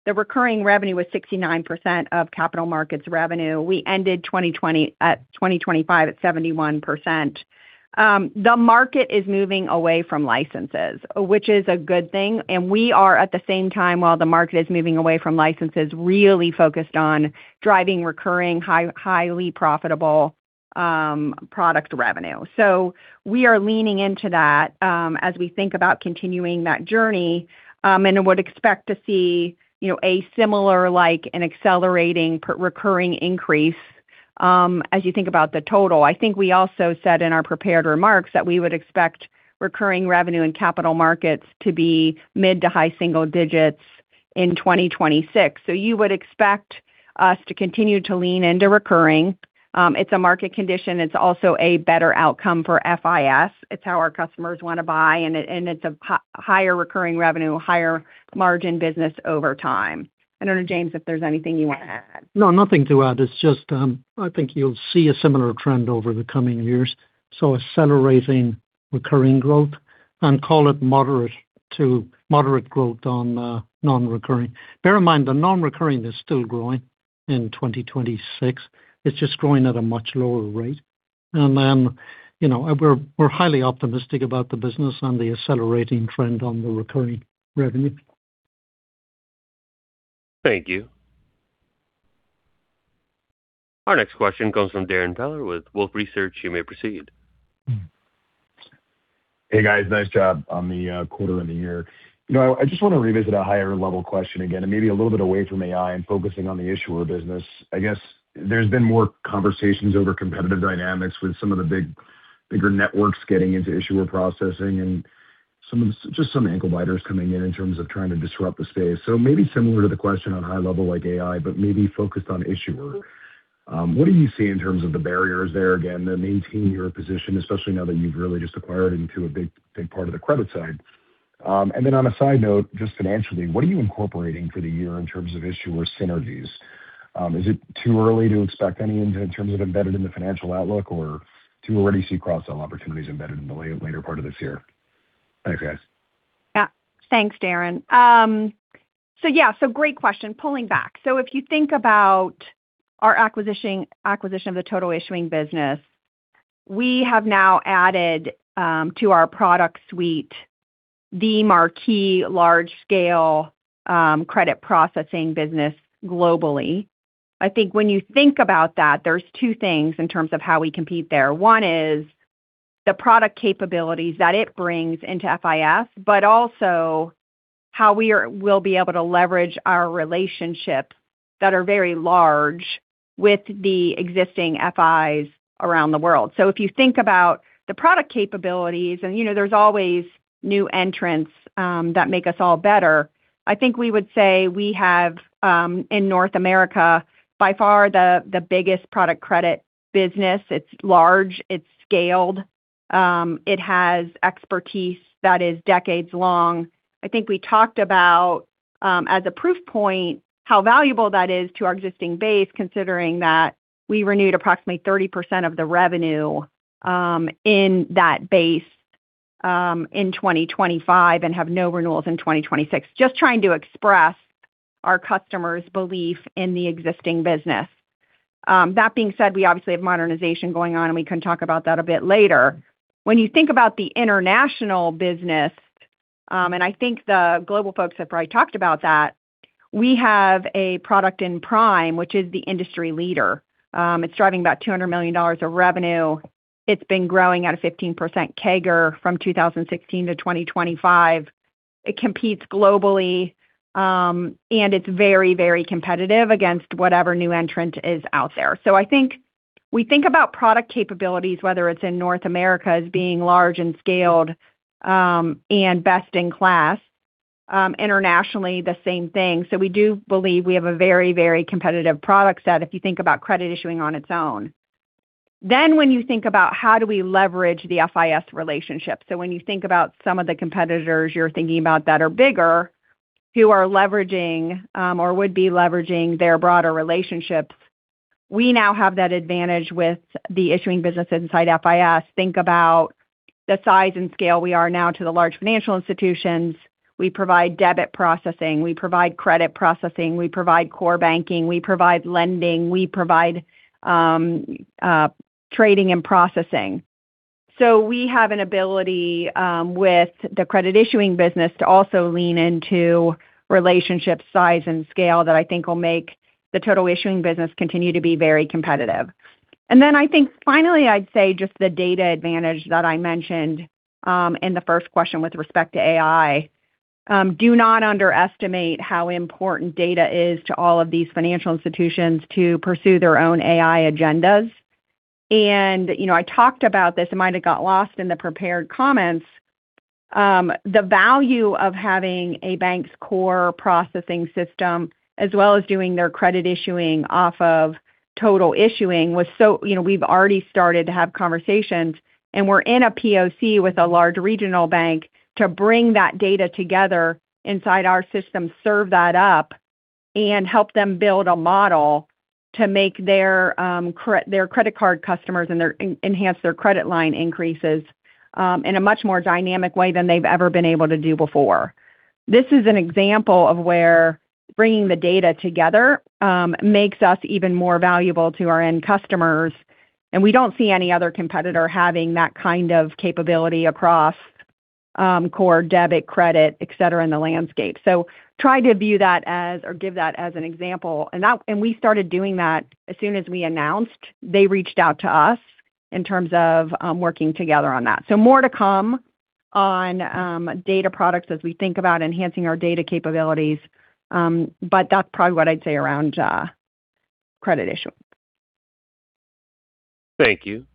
the recurring revenue was 69% of capital markets revenue. We ended 2020, 2025 at 71%. The market is moving away from licenses, which is a good thing, and we are, at the same time, while the market is moving away from licenses, really focused on driving recurring, highly profitable product revenue. We are leaning into that, as we think about continuing that journey, and would expect to see, you know, a similar like and accelerating recurring increase. As you think about the total, I think we also said in our prepared remarks that we would expect recurring revenue and capital markets to be mid to high single digits in 2026. You would expect us to continue to lean into recurring. It's a market condition. It's also a better outcome for FIS. It's how our customers want to buy, and it's a higher recurring revenue, higher margin business over time. I don't know, James, if there's anything you want to add. No, nothing to add. It's just, I think you'll see a similar trend over the coming years. Accelerating recurring growth and call it moderate to moderate growth on non-recurring. Bear in mind, the non-recurring is still growing in 2026. It's just growing at a much lower rate. You know, we're highly optimistic about the business and the accelerating trend on the recurring revenue. Thank you. Our next question comes from Darrin Peller with Wolfe Research. You may proceed. Hey, guys, nice job on the quarter and the year. You know, I just want to revisit a higher level question again, and maybe a little bit away from AI and focusing on the issuer business. I guess there's been more conversations over competitive dynamics with some of the bigger networks getting into issuer processing and just some ankle biters coming in in terms of trying to disrupt the space. Maybe similar to the question on high level like AI, but maybe focused on issuer. What do you see in terms of the barriers there, again, to maintain your position, especially now that you've really just acquired into a big, big part of the credit side? On a side note, just financially, what are you incorporating for the year in terms of issuer synergies? Is it too early to expect any in terms of embedded in the financial outlook, or do you already see cross-sell opportunities embedded in the later part of this year? Thanks, guys. Yeah. Thanks, Darrin. Yeah, great question. Pulling back. If you think about our acquisition of the Total Issuing business, we have now added to our product suite, the marquee large-scale credit processing business globally. I think when you think about that, there's two things in terms of how we compete there. One is the product capabilities that it brings into FIS, but also how we'll be able to leverage our relationships that are very large with the existing FIs around the world. If you think about the product capabilities, and, you know, there's always new entrants that make us all better. I think we would say we have in North America, by far the biggest product credit business. It's large, it's scaled, it has expertise that is decades long. I think we talked about, as a proof point, how valuable that is to our existing base, considering that we renewed approximately 30% of the revenue in that base in 2025 and have no renewals in 2026. Just trying to express our customers' belief in the existing business. That being said, we obviously have modernization going on, and we can talk about that a bit later. When you think about the international business, I think the global folks have probably talked about that, we have a product in Prime, which is the industry leader. It's driving about $200 million of revenue. It's been growing at a 15% CAGR from 2016 to 2025. It competes globally, it's very, very competitive against whatever new entrant is out there. I think we think about product capabilities, whether it's in North America, as being large and scaled, and best-in-class. Internationally, the same thing. We do believe we have a very, very competitive product set if you think about credit issuing on its own. When you think about how do we leverage the FIS relationship. When you think about some of the competitors you're thinking about that are bigger, who are leveraging, or would be leveraging their broader relationships, we now have that advantage with the issuing business inside FIS. Think about the size and scale we are now to the Large Financial Institutions. We provide debit processing, we provide credit processing, we provide core banking, we provide lending, we provide trading and processing. We have an ability with the credit issuing business to also lean into relationship size and scale that I think will make the Total Issuing Solutions continue to be very competitive. I think finally, I'd say just the data advantage that I mentioned in the first question with respect to AI. Do not underestimate how important data is to all of these financial institutions to pursue their own AI agendas. You know, I talked about this, it might have got lost in the prepared comments. The value of having a bank's core processing system, as well as doing their credit issuing off of Total Issuing Solutions, you know, we've already started to have conversations, and we're in a POC with a large regional bank to bring that data together inside our system, serve that up, and help them build a model to make their credit card customers and their, enhance their credit line increases in a much more dynamic way than they've ever been able to do before. This is an example of where bringing the data together makes us even more valuable to our end customers, and we don't see any other competitor having that kind of capability across core debit, credit, et cetera, in the landscape. Try to view that as or give that as an example. We started doing that as soon as we announced. They reached out to us in terms of working together on that. More to come on data products as we think about enhancing our data capabilities, but that's probably what I'd say around credit issuing. Thank you.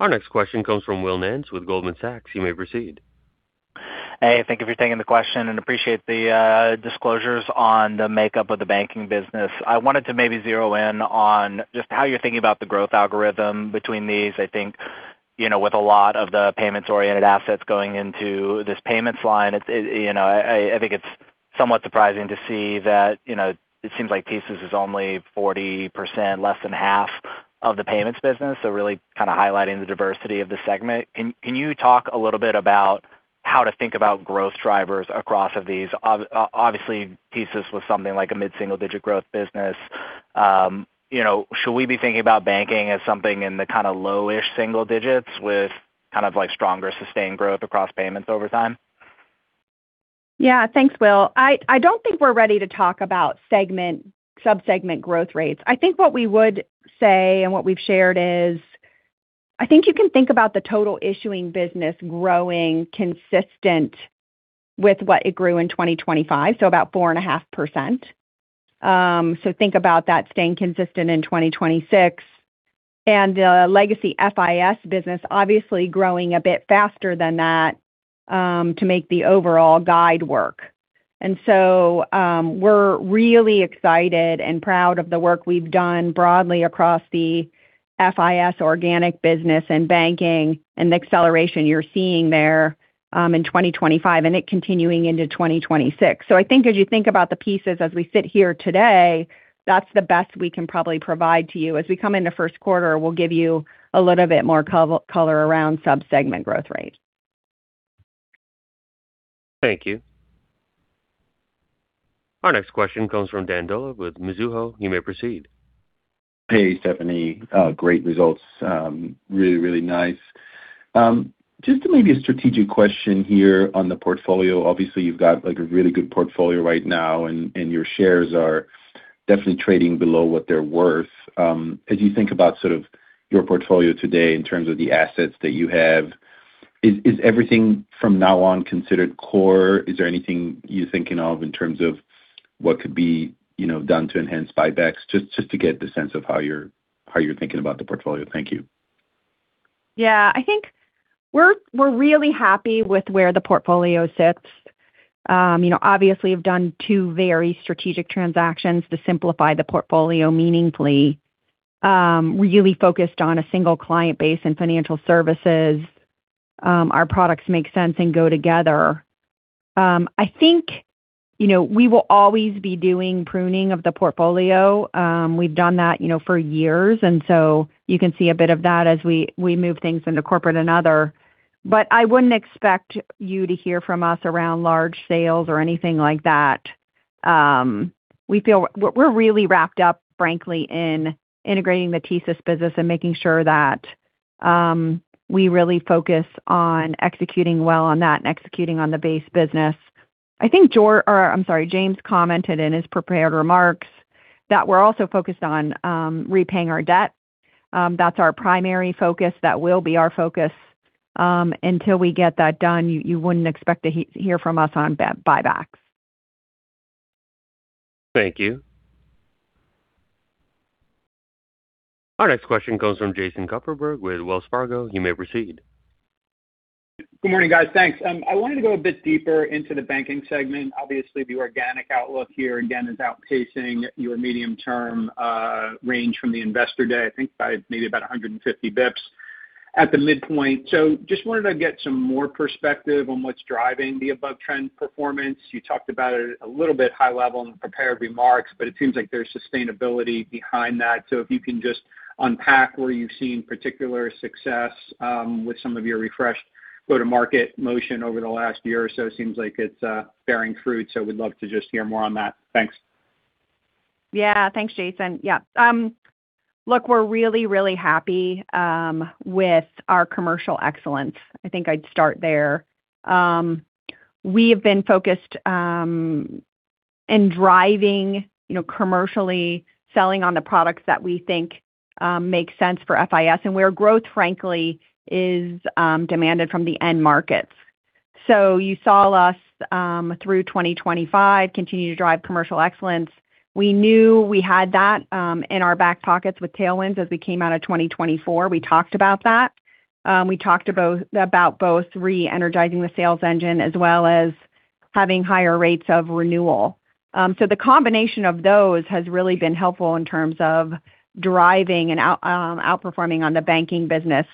Our next question comes from Will Nance with Goldman Sachs. You may proceed. Thank you for taking the question and appreciate the disclosures on the makeup of the banking business. I wanted to maybe zero in on just how you're thinking about the growth algorithm between these. I think, you know, with a lot of the payments-oriented assets going into this payments line, it, you know, I think it's somewhat surprising to see that, you know, it seems like Thesis is only 40%, less than half of the payments business. Really kind of highlighting the diversity of the segment. Can you talk a little bit about how to think about growth drivers across of these? Obviously, Thesis was something like a mid-single-digit growth business. You know, should we be thinking about banking as something in the kind of lowish single digits with kind of like stronger sustained growth across payments over time? Yeah. Thanks, Will. I don't think we're ready to talk about segment, sub-segment growth rates. I think what we would say, and what we've shared is, I think you can think about the total issuing business growing consistent with what it grew in 2025, so about 4.5%. Think about that staying consistent in 2026, and the legacy FIS business obviously growing a bit faster than that, to make the overall guide work. We're really excited and proud of the work we've done broadly across the FIS organic business and banking, and the acceleration you're seeing there, in 2025, and it continuing into 2026. I think as you think about the pieces as we sit here today, that's the best we can probably provide to you. As we come into Q1, we'll give you a little bit more color around sub-segment growth rates. Thank you. Our next question comes from Dan Dolev with Mizuho. You may proceed. Hey, Stephanie. Great results. Really nice. Just maybe a strategic question here on the portfolio. Obviously, you've got, like, a really good portfolio right now, and your shares are definitely trading below what they're worth. As you think about sort of your portfolio today in terms of the assets that you have, is everything from now on considered core? Is there anything you're thinking of in terms of what could be, you know, done to enhance buybacks? Just to get the sense of how you're thinking about the portfolio. Thank you. I think we're really happy with where the portfolio sits. You know, obviously, we've done 2 very strategic transactions to simplify the portfolio meaningfully, really focused on a single client base and financial services. Our products make sense and go together. I think, you know, we will always be doing pruning of the portfolio. We've done that, you know, for years, you can see a bit of that as we move things into corporate and other. I wouldn't expect you to hear from us around large sales or anything like that. We feel we're really wrapped up, frankly, in integrating the TSYS business and making sure that we really focus on executing well on that and executing on the base business. I think Jore, or I'm sorry, James commented in his prepared remarks that we're also focused on, repaying our debt. That's our primary focus. That will be our focus, until we get that done, you wouldn't expect to hear from us on buybacks. Thank you. Our next question comes from Jason Kupferberg with Wells Fargo. You may proceed. Good morning, guys. Thanks. I wanted to go a bit deeper into the banking segment. Obviously, the organic outlook here, again, is outpacing your medium-term range from the investor day, I think by maybe about 150 basis points at the midpoint. Just wanted to get some more perspective on what's driving the above-trend performance. You talked about it a little bit high level in the prepared remarks, but it seems like there's sustainability behind that. If you can just unpack where you've seen particular success with some of your refreshed go-to-market motion over the last year or so. Seems like it's bearing fruit, we'd love to just hear more on that. Thanks. Thanks, Jason. Look, we're really, really happy with our commercial excellence. I think I'd start there. We have been focused in driving, you know, commercially selling on the products that we think make sense for FIS and where growth, frankly, is demanded from the end markets. You saw us through 2025 continue to drive commercial excellence. We knew we had that in our back pockets with tailwinds as we came out of 2024. We talked about that. We talked about both re-energizing the sales engine as well as having higher rates of renewal. The combination of those has really been helpful in terms of driving and outperforming on the banking business,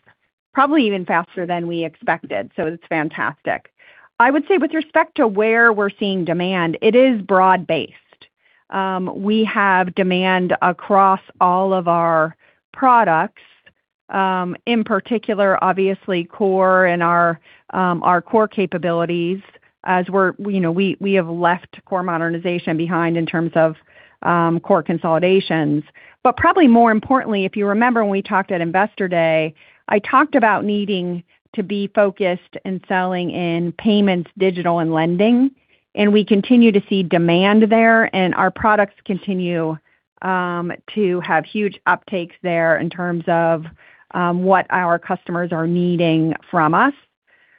probably even faster than we expected, so it's fantastic. I would say with respect to where we're seeing demand, it is broad-based. We have demand across all of our products, in particular, obviously, core and our core capabilities, as you know, we have left core modernization behind in terms of core consolidations. Probably more importantly, if you remember when we talked at Investor Day, I talked about needing to be focused in selling in payments, digital, and lending, and we continue to see demand there, and our products continue to have huge uptakes there in terms of what our customers are needing from us.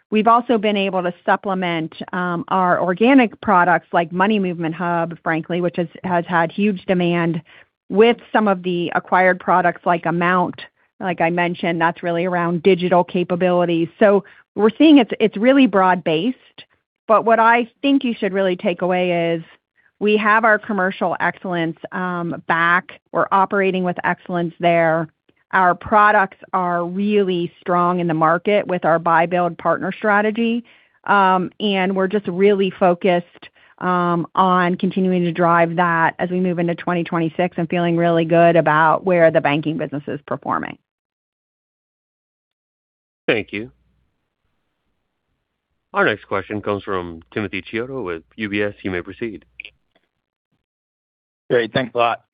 We've also been able to supplement our organic products, like Money Movement Hub, frankly, which has had huge demand with some of the acquired products like Amount. Like I mentioned, that's really around digital capabilities. We're seeing it's really broad-based, but what I think you should really take away is we have our commercial excellence back. We're operating with excellence there. Our products are really strong in the market with our buy, build partner strategy, and we're just really focused on continuing to drive that as we move into 2026 and feeling really good about where the banking business is performing. Thank you. Our next question comes from Timothy Chiodo with UBS. You may proceed. Great. Thanks a lot.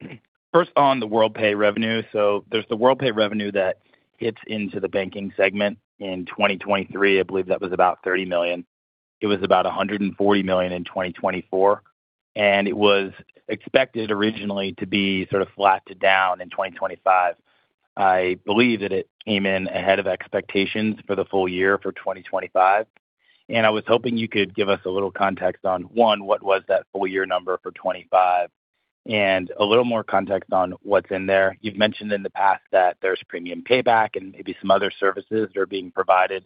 First, on the Worldpay revenue. There's the Worldpay revenue that hits into the banking segment in 2023. I believe that was about $30 million. It was about $140 million in 2024, and it was expected originally to be sort of flat to down in 2025. I believe that it came in ahead of expectations for the full year for 2025, and I was hoping you could give us a little context on, 1, what was that full year number for 2025? and a little more context on what's in there. You've mentioned in the past that there's Premium Payback and maybe some other services that are being provided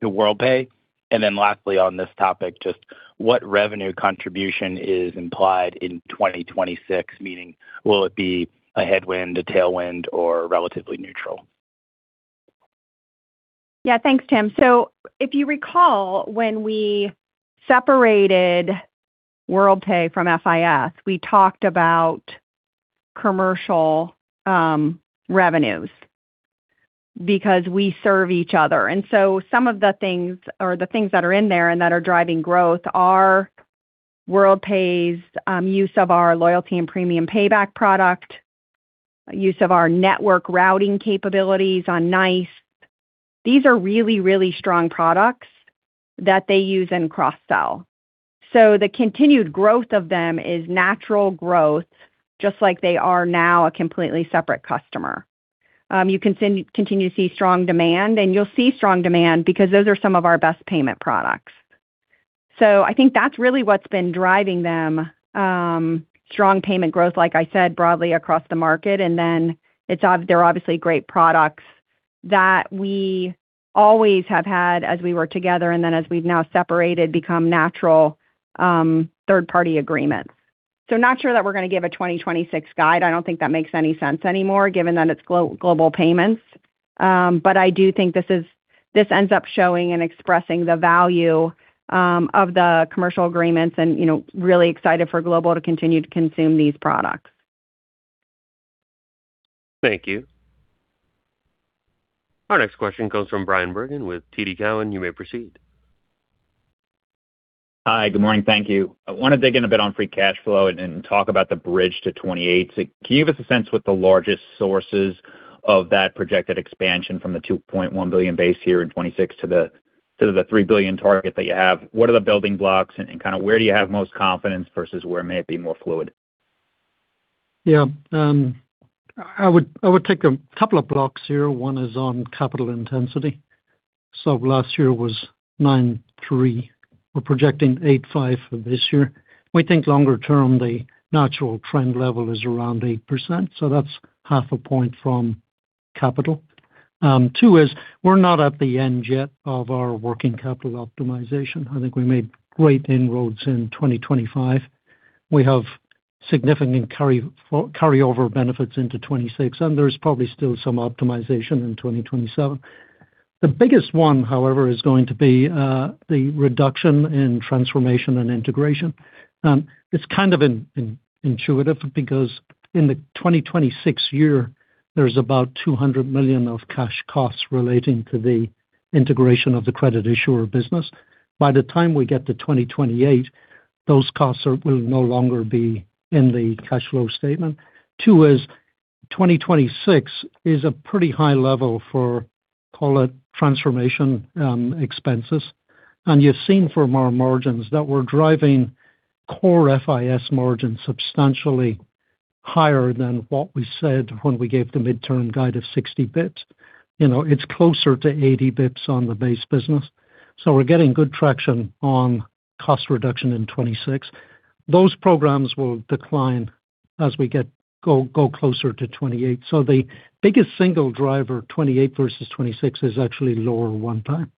to Worldpay. Lastly, on this topic, just what revenue contribution is implied in 2026? Meaning will it be a headwind, a tailwind, or relatively neutral? Yeah, thanks, Tim. If you recall, when we separated Worldpay from FIS, we talked about commercial revenues because we serve each other. Some of the things or the things that are in there and that are driving growth are Worldpay's use of our loyalty and Premium Payback product, use of our network routing capabilities on NICE. These are really, really strong products that they use in cross-sell. The continued growth of them is natural growth, just like they are now a completely separate customer. You continue to see strong demand, and you'll see strong demand because those are some of our best payment products. I think that's really what's been driving them, strong payment growth, like I said, broadly across the market. It's they're obviously great products that we always have had as we work together, and then as we've now separated, become natural, third-party agreements. Not sure that we're going to give a 2026 guide. I don't think that makes any sense anymore, given that it's Global Payments. I do think this ends up showing and expressing the value of the commercial agreements and, you know, really excited for Global to continue to consume these products. Thank you. Our next question comes from Bryan Bergin with TD Cowen. You may proceed. Hi, good morning. Thank you. I want to dig in a bit on free cash flow and talk about the bridge to 2028. Can you give us a sense what the largest sources of that projected expansion from the $2.1 billion base here in 2026 to the $3 billion target that you have? What are the building blocks and kind of where do you have most confidence versus where it may be more fluid? I would take a couple of blocks here. One is on capital intensity. Last year was 9.3%. We're projecting 8.5% for this year. We think longer term, the natural trend level is around 8%, so that's half a point from capital. Two is we're not at the end yet of our working capital optimization. I think we made great inroads in 2025. We have significant carryover benefits into 2026, and there's probably still some optimization in 2027. The biggest one, however, is going to be the reduction in transformation and integration. It's kind of intuitive because in the 2026 year, there's about $200 million of cash costs relating to the integration of the credit issuer business. By the time we get to 2028, those costs are, will no longer be in the cash flow statement. 2 is 2026 is a pretty high level for, call it, transformation, expenses. You've seen from our margins that we're driving core FIS margins substantially higher than what we said when we gave the midterm guide of 60 basis points. You know, it's closer to 80 basis points on the base business, so we're getting good traction on cost reduction in 2026. Those programs will decline as we get closer to 2028. The biggest single driver, 2028 versus 2026, is actually lower one-time.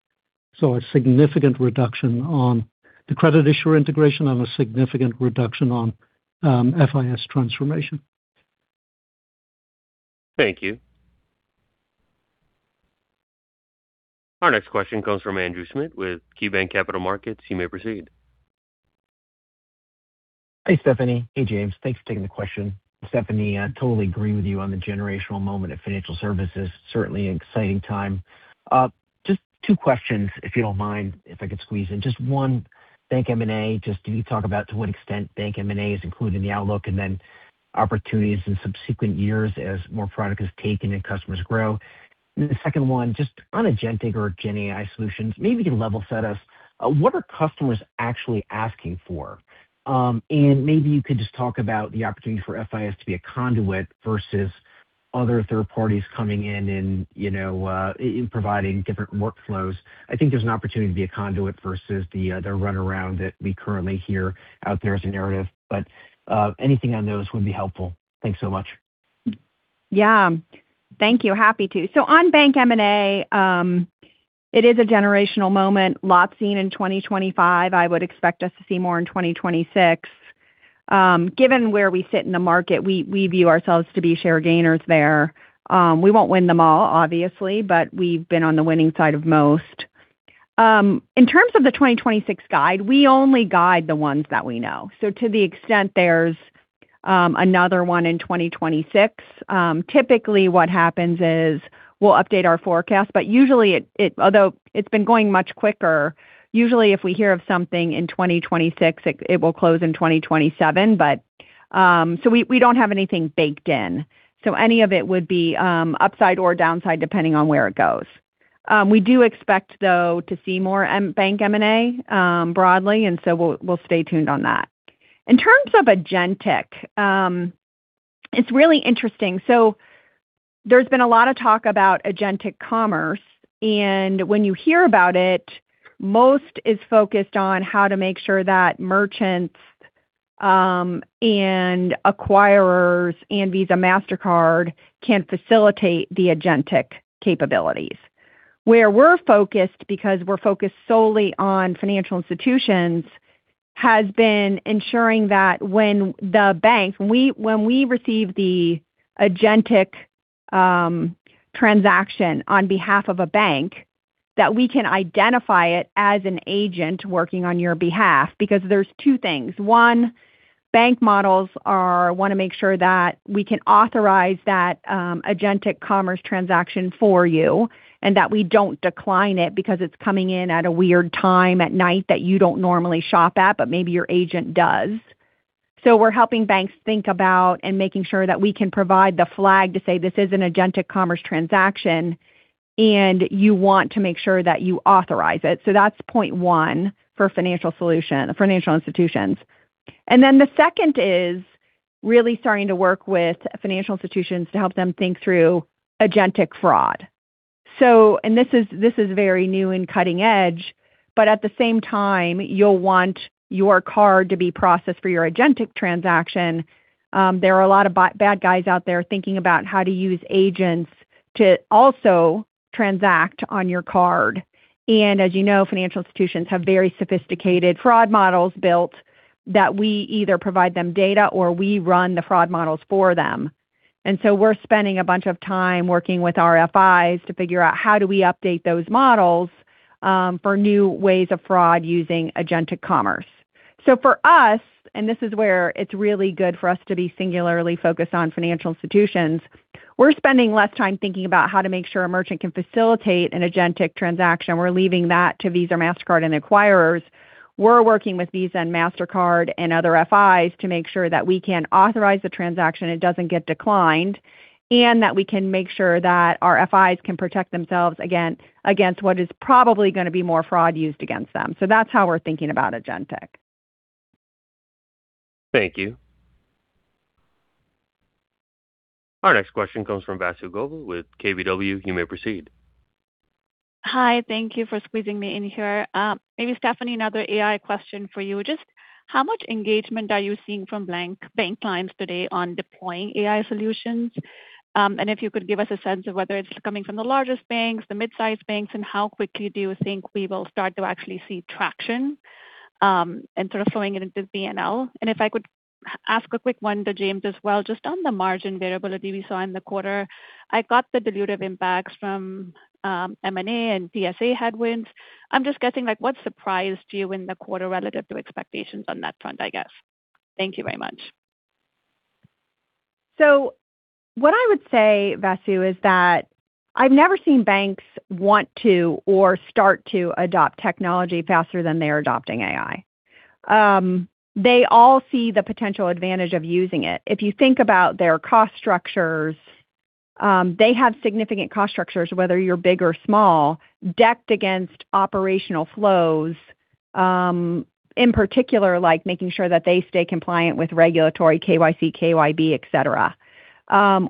A significant reduction on the credit issuer integration and a significant reduction on FIS transformation. Thank you. Our next question comes from Andrew Schmidt with KeyBanc Capital Markets. You may proceed. Hey, Stephanie. Hey, James. Thanks for taking the question. Stephanie, I totally agree with you on the generational moment of financial services. Certainly an exciting time. Just two questions, if you don't mind, if I could squeeze in. Just one, bank M&A. Just can you talk about to what extent bank M&A is included in the outlook and then opportunities in subsequent years as more product is taken and customers grow? The second one, just on Agentic or GenAI solutions, maybe you can level set us. What are customers actually asking for? Maybe you could just talk about the opportunity for FIS to be a conduit versus other third parties coming in and, you know, in providing different workflows. I think there's an opportunity to be a conduit versus the run around that we currently hear out there as a narrative. anything on those would be helpful. Thanks so much. Thank you. Happy to. On bank M&A, it is a generational moment, lot seen in 2025. I would expect us to see more in 2026. Given where we sit in the market, we view ourselves to be share gainers there. We won't win them all, obviously, but we've been on the winning side of most. In terms of the 2026 guide, we only guide the ones that we know. To the extent there's another one in 2026, typically what happens is we'll update our forecast, but usually although it's been going much quicker, usually if we hear of something in 2026, it will close in 2027. We don't have anything baked in, so any of it would be upside or downside, depending on where it goes. We do expect, though, to see more bank M&A, broadly. We'll stay tuned on that. In terms of Agentic. It's really interesting. There's been a lot of talk about agentic commerce, and when you hear about it, most is focused on how to make sure that merchants, and acquirers and Visa, Mastercard can facilitate the agentic capabilities. Where we're focused, because we're focused solely on financial institutions, has been ensuring that when the bank, when we receive the agentic transaction on behalf of a bank, that we can identify it as an agent working on your behalf. There's two things: one, bank models are, wanna make sure that we can authorize that agentic commerce transaction for you, and that we don't decline it because it's coming in at a weird time at night that you don't normally shop at, but maybe your agent does. We're helping banks think about and making sure that we can provide the flag to say, "This is an agentic commerce transaction, and you want to make sure that you authorize it." That's point one for financial solution, financial institutions. The second is really starting to work with financial institutions to help them think through agentic fraud. This is, this is very new and cutting edge, but at the same time, you'll want your card to be processed for your agentic transaction. There are a lot of bad guys out there thinking about how to use agents to also transact on your card. As you know, financial institutions have very sophisticated fraud models built that we either provide them data or we run the fraud models for them. We're spending a bunch of time working with FIs to figure out how do we update those models for new ways of fraud using agentic commerce. For us, and this is where it's really good for us to be singularly focused on financial institutions, we're spending less time thinking about how to make sure a merchant can facilitate an agentic transaction. We're leaving that to Visa, Mastercard, and acquirers. We're working with Visa and Mastercard and other FIs to make sure that we can authorize the transaction, it doesn't get declined, and that we can make sure that our FIs can protect themselves against what is probably gonna be more fraud used against them. That's how we're thinking about agentic. Thank you. Our next question comes from Vasu Govil with KBW. You may proceed. Hi, thank you for squeezing me in here. Maybe Stephanie, another AI question for you. Just how much engagement are you seeing from bank clients today on deploying AI solutions? If you could give us a sense of whether it's coming from the largest banks, the mid-sized banks, and how quickly do you think we will start to actually see traction, sort of flowing it into BNPL? If I could ask a quick one to James as well, just on the margin variability we saw in the quarter. I got the dilutive impacts from M&A and TSA headwinds. I'm just guessing, like, what surprised you in the quarter relative to expectations on that front, I guess? Thank you very much. What I would say, Vasu, is that I've never seen banks want to or start to adopt technology faster than they're adopting AI. They all see the potential advantage of using it. If you think about their cost structures, they have significant cost structures, whether you're big or small, decked against operational flows, in particular, like making sure that they stay compliant with regulatory KYC, KYB, et cetera,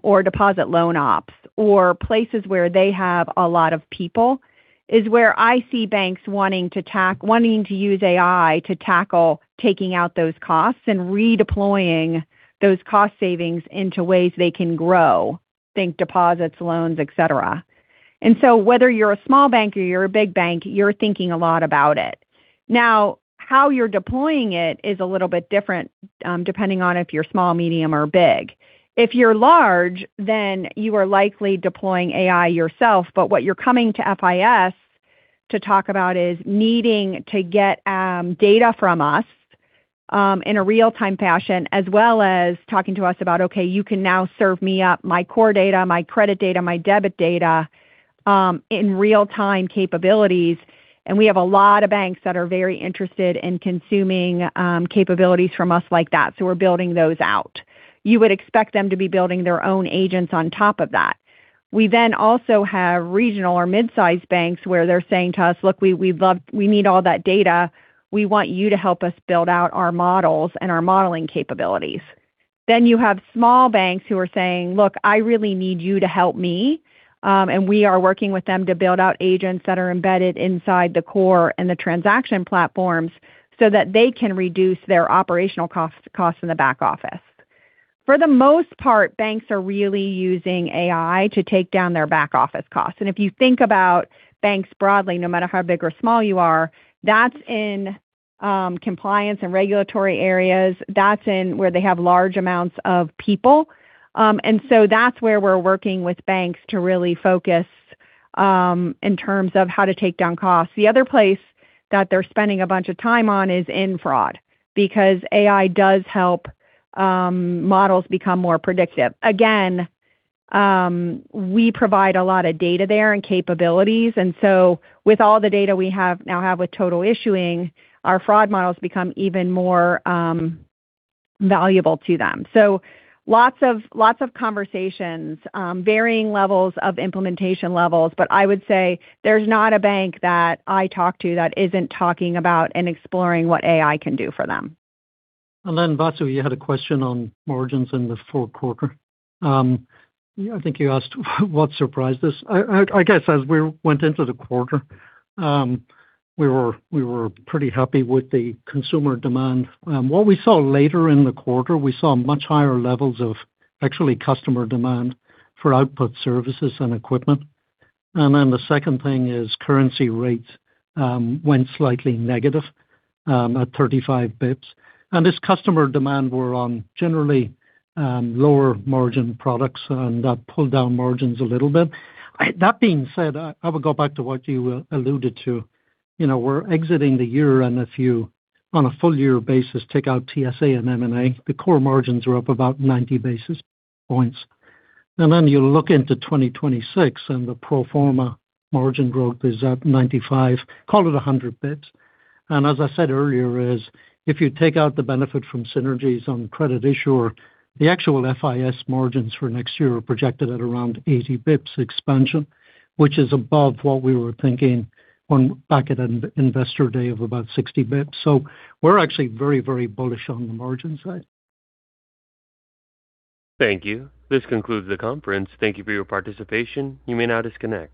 or deposit loan ops, or places where they have a lot of people, is where I see banks wanting to use AI to tackle taking out those costs and redeploying those cost savings into ways they can grow: think deposits, loans, et cetera. Whether you're a small bank or you're a big bank, you're thinking a lot about it. How you're deploying it is a little bit different, depending on if you're small, medium, or big. If you're large, you are likely deploying AI yourself, but what you're coming to FIS to talk about is needing to get data from us in a real-time fashion, as well as talking to us about, "Okay, you can now serve me up my core data, my credit data, my debit data, in real-time capabilities." We have a lot of banks that are very interested in consuming capabilities from us like that, so we're building those out. You would expect them to be building their own agents on top of that. We also have regional or mid-sized banks, where they're saying to us, "Look, We need all that data. We want you to help us build out our models and our modeling capabilities." You have small banks who are saying, "Look, I really need you to help me," and we are working with them to build out agents that are embedded inside the core and the transaction platforms so that they can reduce their operational costs in the back office. For the most part, banks are really using AI to take down their back office costs. If you think about banks broadly, no matter how big or small you are, that's in compliance and regulatory areas. That's in where they have large amounts of people. That's where we're working with banks to really focus in terms of how to take down costs. The other place that they're spending a bunch of time on is in fraud, because AI does help, models become more predictive. Again, we provide a lot of data there and capabilities. With all the data we have, now have with Total Issuing, our fraud models become even more, valuable to them. Lots of conversations, varying levels of implementation levels, but I would say there's not a bank that I talk to that isn't talking about and exploring what AI can do for them. Vasu, you had a question on margins in the Q4. I think you asked, what surprised us? I guess as we went into the quarter, we were pretty happy with the consumer demand. What we saw later in the quarter, we saw much higher levels of actually customer demand for output services and equipment. The second thing is currency rates went slightly negative at 35 basis points. This customer demand were on generally lower margin products, and that pulled down margins a little bit. That being said, I would go back to what you alluded to. You know, we're exiting the year, and if you, on a full year basis, take out TSA and M&A, the core margins are up about 90 basis points. You look into 2026, the pro forma margin growth is at 95, call it 100 basis points. As I said earlier, is if you take out the benefit from synergies on credit issuer, the actual FIS margins for next year are projected at around 80 basis points expansion, which is above what we were thinking on back at an investor day of about 60 basis points. We're actually very, very bullish on the margin side. Thank you. This concludes the conference. Thank you for your participation. You may now disconnect.